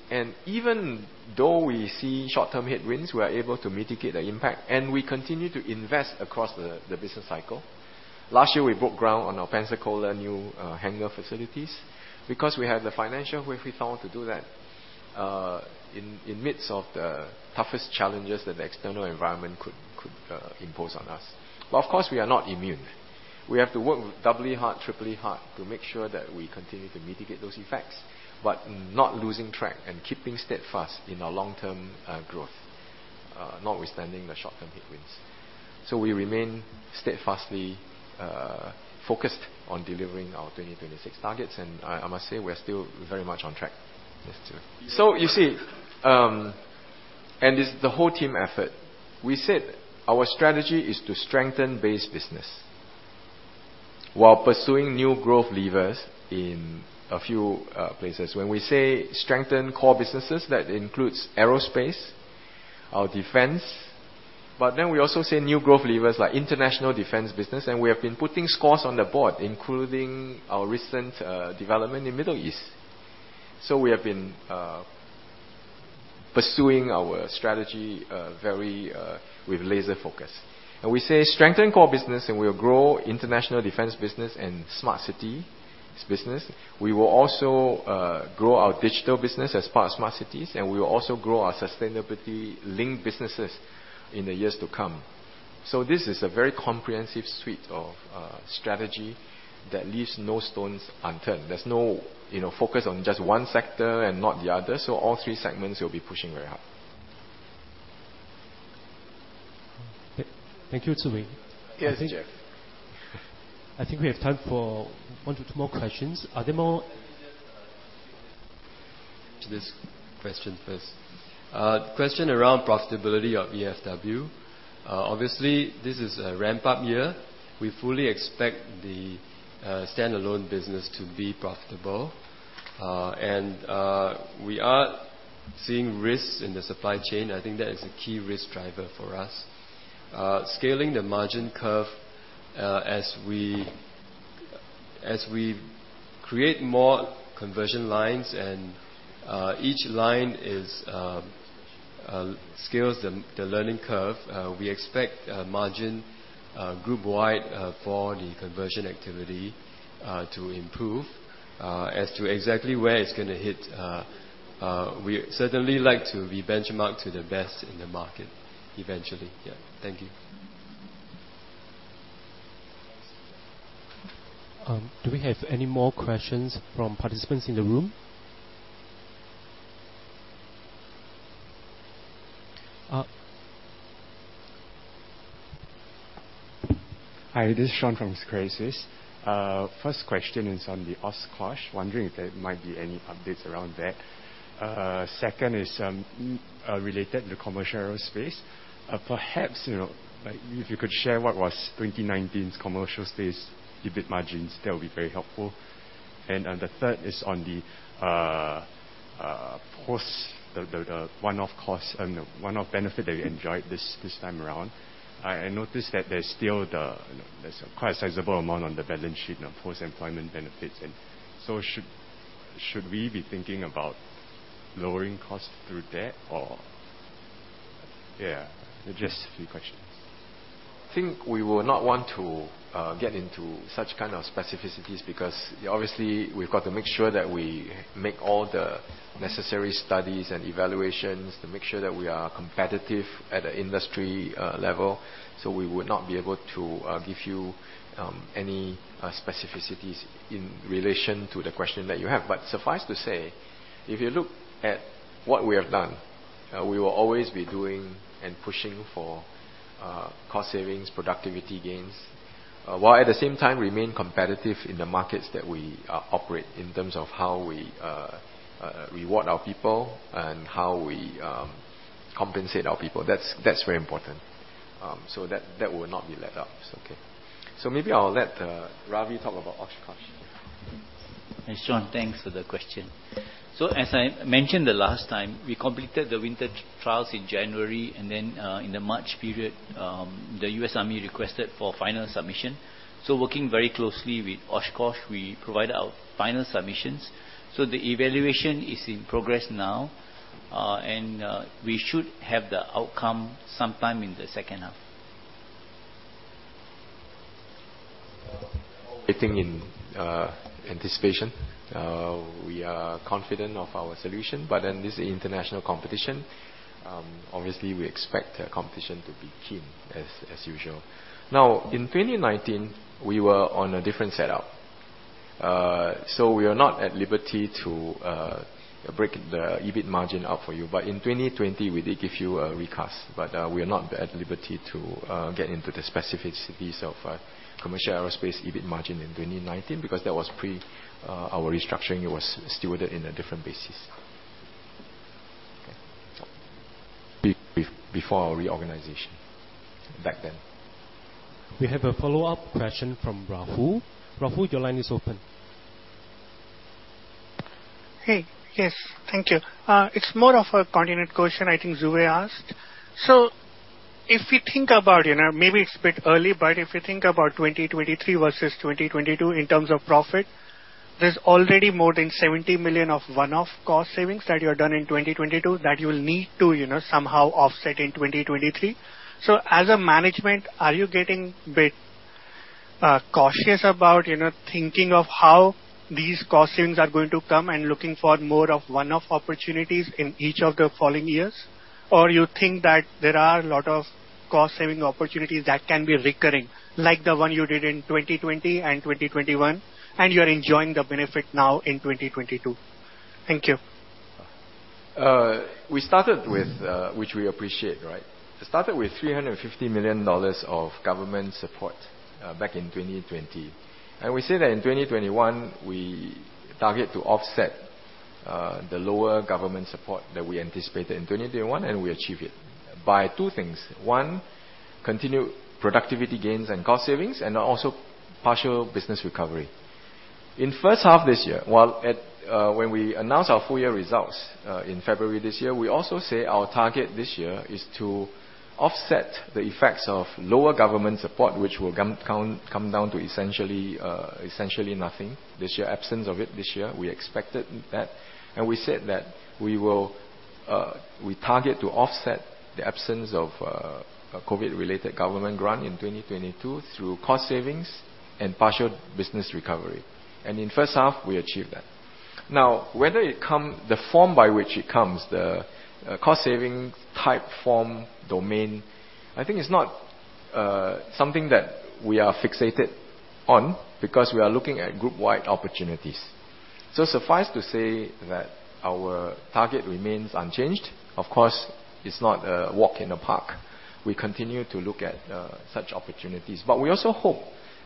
Even though we see short-term headwinds, we are able to mitigate the impact, and we continue to invest across the business cycle. Last year, we broke ground on our Pensacola new hangar facilities because we have the financial wherewithal to do that in amidst of the toughest challenges that the external environment could impose on us. Of course, we are not immune. We have to work doubly hard, triply hard to make sure that we continue to mitigate those effects, but not losing track and keeping steadfast in our long-term growth, notwithstanding the short-term headwinds. We remain steadfastly focused on delivering our 2026 targets, and I must say we're still very much on track. You see, it's the whole team effort. We said our strategy is to strengthen base business while pursuing new growth levers in a few places. When we say strengthen core businesses, that includes aerospace, our defense. We also say new growth levers, like international defense business, and we have been putting scores on the board, including our recent development in Middle East. We have been pursuing our strategy very with laser focus. We say strengthen core business, and we'll grow international defense business and smart city business. We will also grow our digital business as part of smart cities, and we will also grow our sustainability-linked businesses in the years to come. This is a very comprehensive suite of strategy that leaves no stones unturned. There's no, you know, focus on just one sector and not the other, so all three segments will be pushing very hard. Thank you, Zhi Wei Foo. Yes, Jeff. I think we have time for 1-2 more questions. Are there more- Let me just answer this question first. Question around profitability of EFW. Obviously, this is a ramp-up year. We fully expect the standalone business to think about lowering costs through debt or- Yeah. Just a few questions. I think we will not want to get into such kind of specificities, because obviously we've got to make sure that we make all the necessary studies and evaluations to make sure that we are competitive at an industry level. We would not be able to give you any specificities in relation to the question that you have. Suffice to say, if you look at what we have done, we will always be doing and pushing for cost savings, productivity gains, while at the same time remain competitive in the markets that we operate, in terms of how we reward our people and how we compensate our people. That's very important. That will not be let up. It's okay. Maybe I'll let Ravi talk about Oshkosh. Thanks, John. Thanks for the question. As I mentioned the last time, we completed the winter trials in January, and then, in the March period, the US Army requested for final submission. Working very closely with Oshkosh, we provided our final submissions. The evaluation is in progress now, and we should have the outcome sometime in the second half. I think in anticipation, we are confident of our solution. In this international competition, obviously we expect the competition to be keen as usual. Now, in 2019, we were on a different setup. We are not at liberty to break the EBIT margin up for you. In 2020, we did give you a recast. We are not at liberty to get into the specificities of commercial aerospace EBIT margin in 2019 because that was pre our restructuring. It was stewarded in a different basis. Okay. Before our reorganization back then. We have a follow-up question from Rahul. Rahul, your line is open. It's more of a continuing question I think Zhi Wei Foo asked. If you think about, you know, maybe it's a bit early, but if you think about 2023 versus 2022 in terms of profit, there's already more than 70 million of one-off cost savings that you have done in 2022 that you will need to, you know, somehow offset in 2023. As a management, are you getting a bit cautious about, you know, thinking of how these cost savings are going to come and looking for more of one-off opportunities in each of the following years? Or you think that there are a lot of cost-saving opportunities that can be recurring, like the one you did in 2020 and 2021, and you are enjoying the benefit now in 2022? Thank you. We started with, which we appreciate, right? We started with 350 million dollars of government support back in 2020. We say that in 2021, we target to offset the lower government support that we anticipated in 2021, and we achieve it by two things. One, continued productivity gains and cost savings, and also partial business recovery. In first half this year, when we announced our full year results in February this year, we also say our target this year is to offset the effects of lower government support, which will come down to essentially nothing this year. Absence of it this year. We expected that. We said that we will target to offset the absence of a COVID-related government grant in 2022 through cost savings and partial business recovery. In first half, we achieved that. Now, whether the form by which it comes, the cost saving type, form, domain, I think it's not something that we are fixated on because we are looking at groupwide opportunities. So suffice to say that our target remains unchanged. Of course, it's not a walk in the park. We continue to look at such opportunities. But we also hope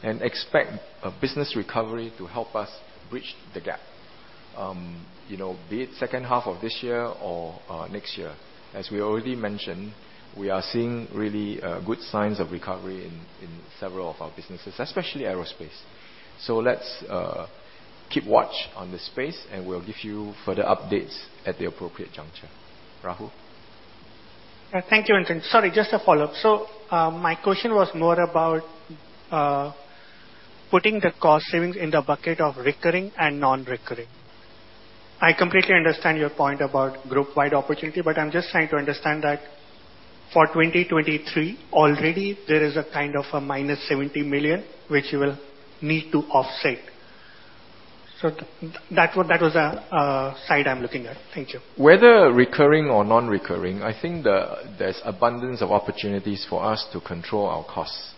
and expect a business recovery to help us bridge the gap, you know, be it second half of this year or next year. As we already mentioned, we are seeing really good signs of recovery in several of our businesses, especially aerospace. Let's keep watch on the space, and we'll give you further updates at the appropriate juncture. Rahul? Thank you, Vincent. Sorry, just a follow-up. My question was more about putting the cost savings in the bucket of recurring and non-recurring. I completely understand your point about groupwide opportunity, but I'm just trying to understand that for 2023, already there is a kind of a -70 million, which you will need to offset. That was the side I'm looking at. Thank you. Whether recurring or non-recurring, I think there's abundance of opportunities for us to control our costs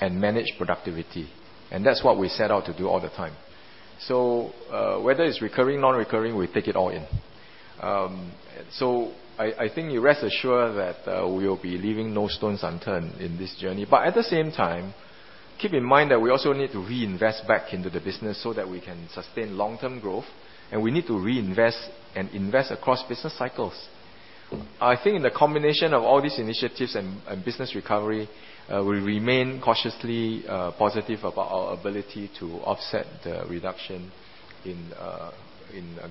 and manage productivity, and that's what we set out to do all the time. Whether it's recurring, non-recurring, we take it all in. I think you can rest assured that we will be leaving no stones unturned in this journey. At the same time, keep in mind that we also need to reinvest back into the business so that we can sustain long-term growth, and we need to reinvest and invest across business cycles. I think in the combination of all these initiatives and business recovery, we remain cautiously positive about our ability to offset the reduction in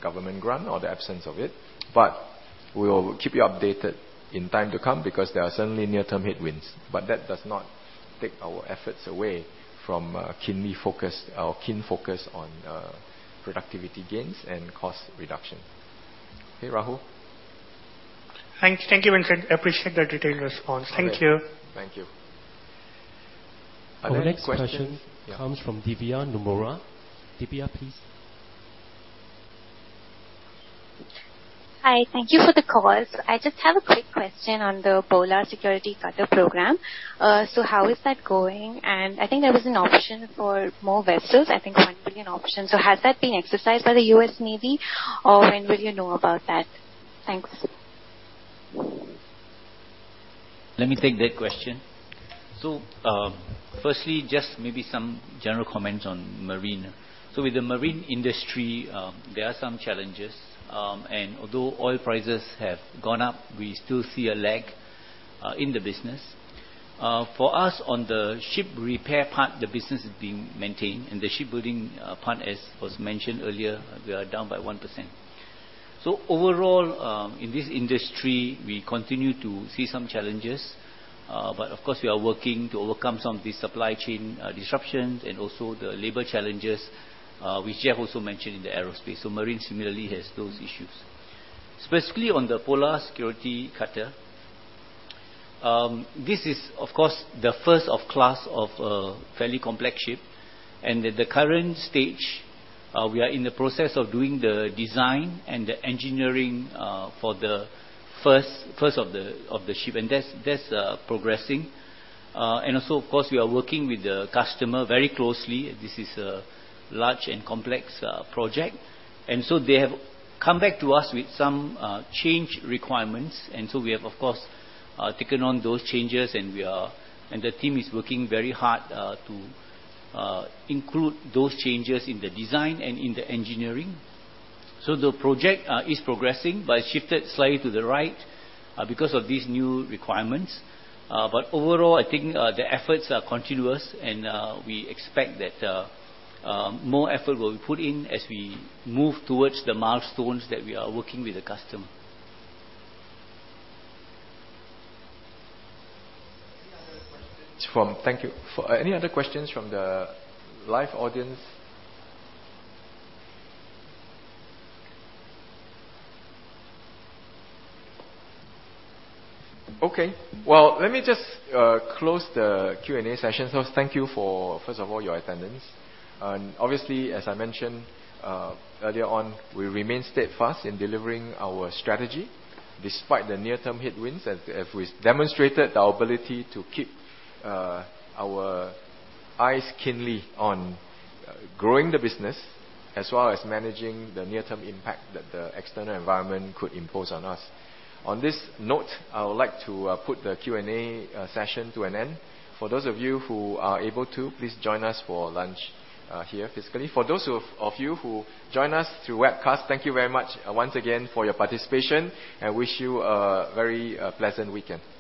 government grant or the absence of it. We will keep you updated in time to come because there are certainly near-term headwinds. That does not take our efforts away from keen focus on productivity gains and cost reduction. Okay, Rahul? Thank you, Vincent. I appreciate the detailed response. Thank you. Thank you. Our next question comes from Divya Nomura. Divya, please. Hi. Thank you for the call. I just have a quick question on the Polar Security Cutter program. How is that going? I think there was an option for more vessels. I think 1 million options. Has that been exercised by the US Navy or when will you know about that? Thanks. Let me take that question. Firstly, just maybe some general comments on marine. With the marine industry, there are some challenges. Although oil prices have gone up, we still see a lag in the business. For us on the ship repair part, the business is being maintained and the shipbuilding part, as was mentioned earlier, we are down by 1%. Overall, in this industry, we continue to see some challenges, but of course, we are working to overcome some of the supply chain disruptions and also the labor challenges, which Jeffrey Lam also mentioned in the aerospace. Marine similarly has those issues. Specifically on the Polar Security Cutter, this is of course the first of class of a fairly complex ship. At the current stage, we are in the process of doing the design and the engineering for the first of the ship. That's progressing. Also of course, we are working with the customer very closely. This is a large and complex project. They have come back to us with some change requirements. We have of course taken on those changes, and the team is working very hard to include those changes in the design and in the engineering. The project is progressing, but shifted slightly to the right because of these new requirements. Overall, I think the efforts are continuous and we expect that more effort will be put in as we move towards the milestones that we are working with the customer. Any other questions from the live audience? Okay. Well, let me just close the Q&A session. Thank you for, first of all, your attendance. Obviously, as I mentioned earlier on, we remain steadfast in delivering our strategy despite the near-term headwinds. As we've demonstrated our ability to keep our eyes keenly on growing the business as well as managing the near-term impact that the external environment could impose on us. On this note, I would like to put the Q&A session to an end. For those of you who are able to, please join us for lunch here physically. For those of you who join us through webcast, thank you very much once again for your participation and wish you a very pleasant weekend.